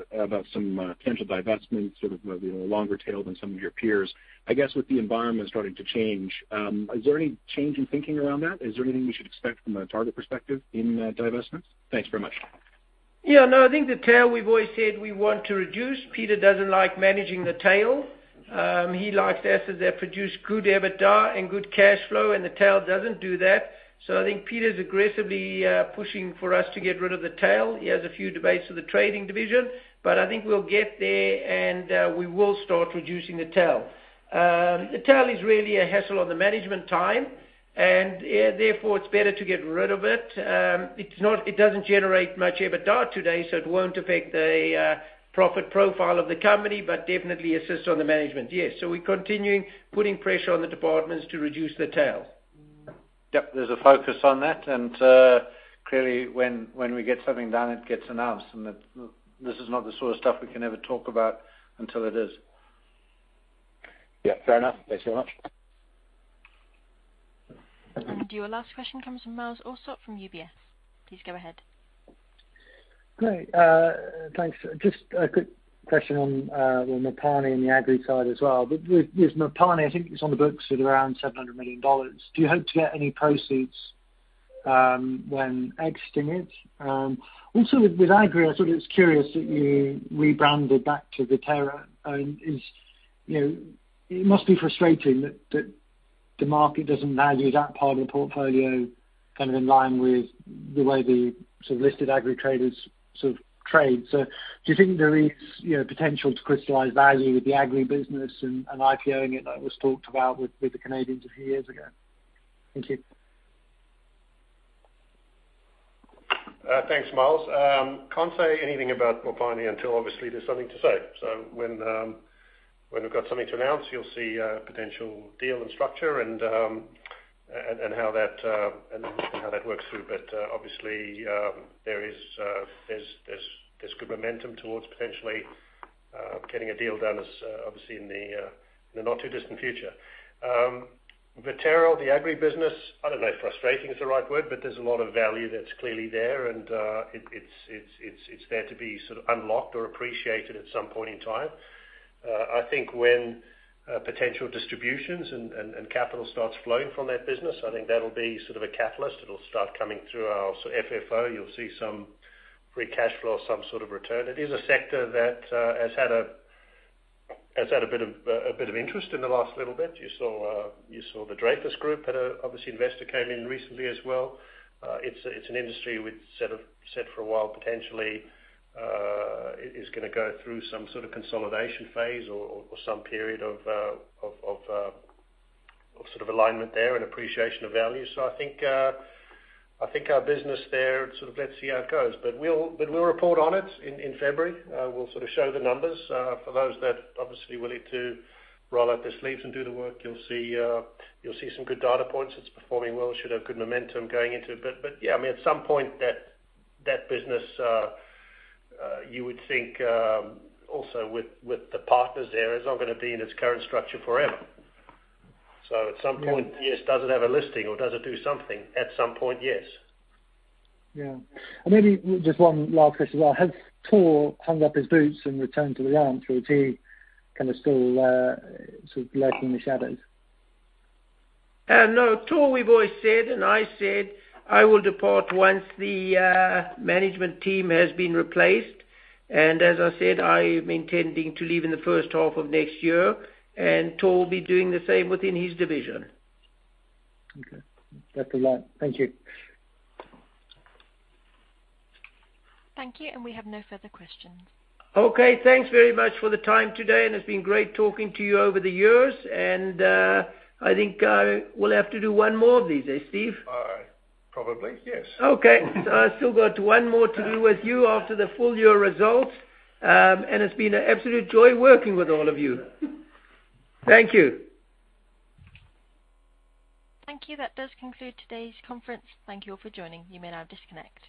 potential divestments that are maybe a little longer tail than some of your peers. I guess with the environment starting to change, is there any change in thinking around that? Is there anything we should expect from a target perspective in divestments? Thanks very much. Yeah, no, I think the tail we've always said we want to reduce. Peter doesn't like managing the tail. He likes assets that produce good EBITDA and good cash flow, and the tail doesn't do that. I think Peter's aggressively pushing for us to get rid of the tail. He has a few debates with the trading division, but I think we'll get there and we will start reducing the tail. The tail is really a hassle on the management time, and therefore it's better to get rid of it. It doesn't generate much EBITDA today, so it won't affect the profit profile of the company, but definitely assists on the management. Yes. We're continuing putting pressure on the departments to reduce the tail. Yep. There's a focus on that, and clearly when we get something done, it gets announced and this is not the sort of stuff we can ever talk about until it is. Yeah, fair enough. Thanks very much. Your last question comes from Myles Allsop from UBS. Please go ahead. Great. Thanks. Just a quick question on Mopani and the agri side as well. With Mopani, I think it's on the books with around $700 million. Do you hope to get any proceeds when exiting it? Also with agri, I thought it was curious that you rebranded back to Viterra. It must be frustrating that the market doesn't value that part of the portfolio in line with the way the listed agri traders trade. Do you think there is potential to crystallize value with the agri business and IPO-ing it, like was talked about with the Canadians a few years ago? Thank you. Thanks, Myles. Can't say anything about Mopani until obviously there's something to say. When we've got something to announce, you'll see a potential deal and structure and how that works through. Obviously, there's good momentum towards potentially getting a deal done as obviously in the not too distant future. Viterra, the agribusiness, I don't know if frustrating is the right word, but there's a lot of value that's clearly there, and it's there to be sort of unlocked or appreciated at some point in time. I think when potential distributions and capital starts flowing from that business, I think that'll be sort of a catalyst. It'll start coming through our FFO. You'll see some free cash flow or some sort of return. It is a sector that has had a bit of interest in the last little bit. You saw the Dreyfus Group had obviously invested, came in recently as well. It's an industry we've said for a while, potentially is going to go through some sort of consolidation phase or some period of alignment there and appreciation of value. I think our business there, sort of let's see how it goes. We'll report on it in February. We'll show the numbers. For those that are obviously willing to roll up their sleeves and do the work, you'll see some good data points. It's performing well, should have good momentum going into it. Yeah, at some point that business, you would think, also with the partners there, is not going to be in its current structure forever. At some point, yes, does it have a listing or does it do something? At some point, yes. Yeah. Maybe just one last question as well. Has Tor hung up his boots and returned to the ranch, or is he kind of still lurking in the shadows? No. Tor, we've always said, and I said, I will depart once the management team has been replaced. As I said, I am intending to leave in the first half of next year, and Tor will be doing the same within his division. Okay. That's all right. Thank you. Thank you. We have no further questions. Okay. Thanks very much for the time today, it's been great talking to you over the years. I think we'll have to do one more of these, eh, Steve? Probably, yes. Okay. I still got one more to do with you after the full-year results. It's been an absolute joy working with all of you. Thank you. Thank you. That does conclude today's conference. Thank you all for joining. You may now disconnect.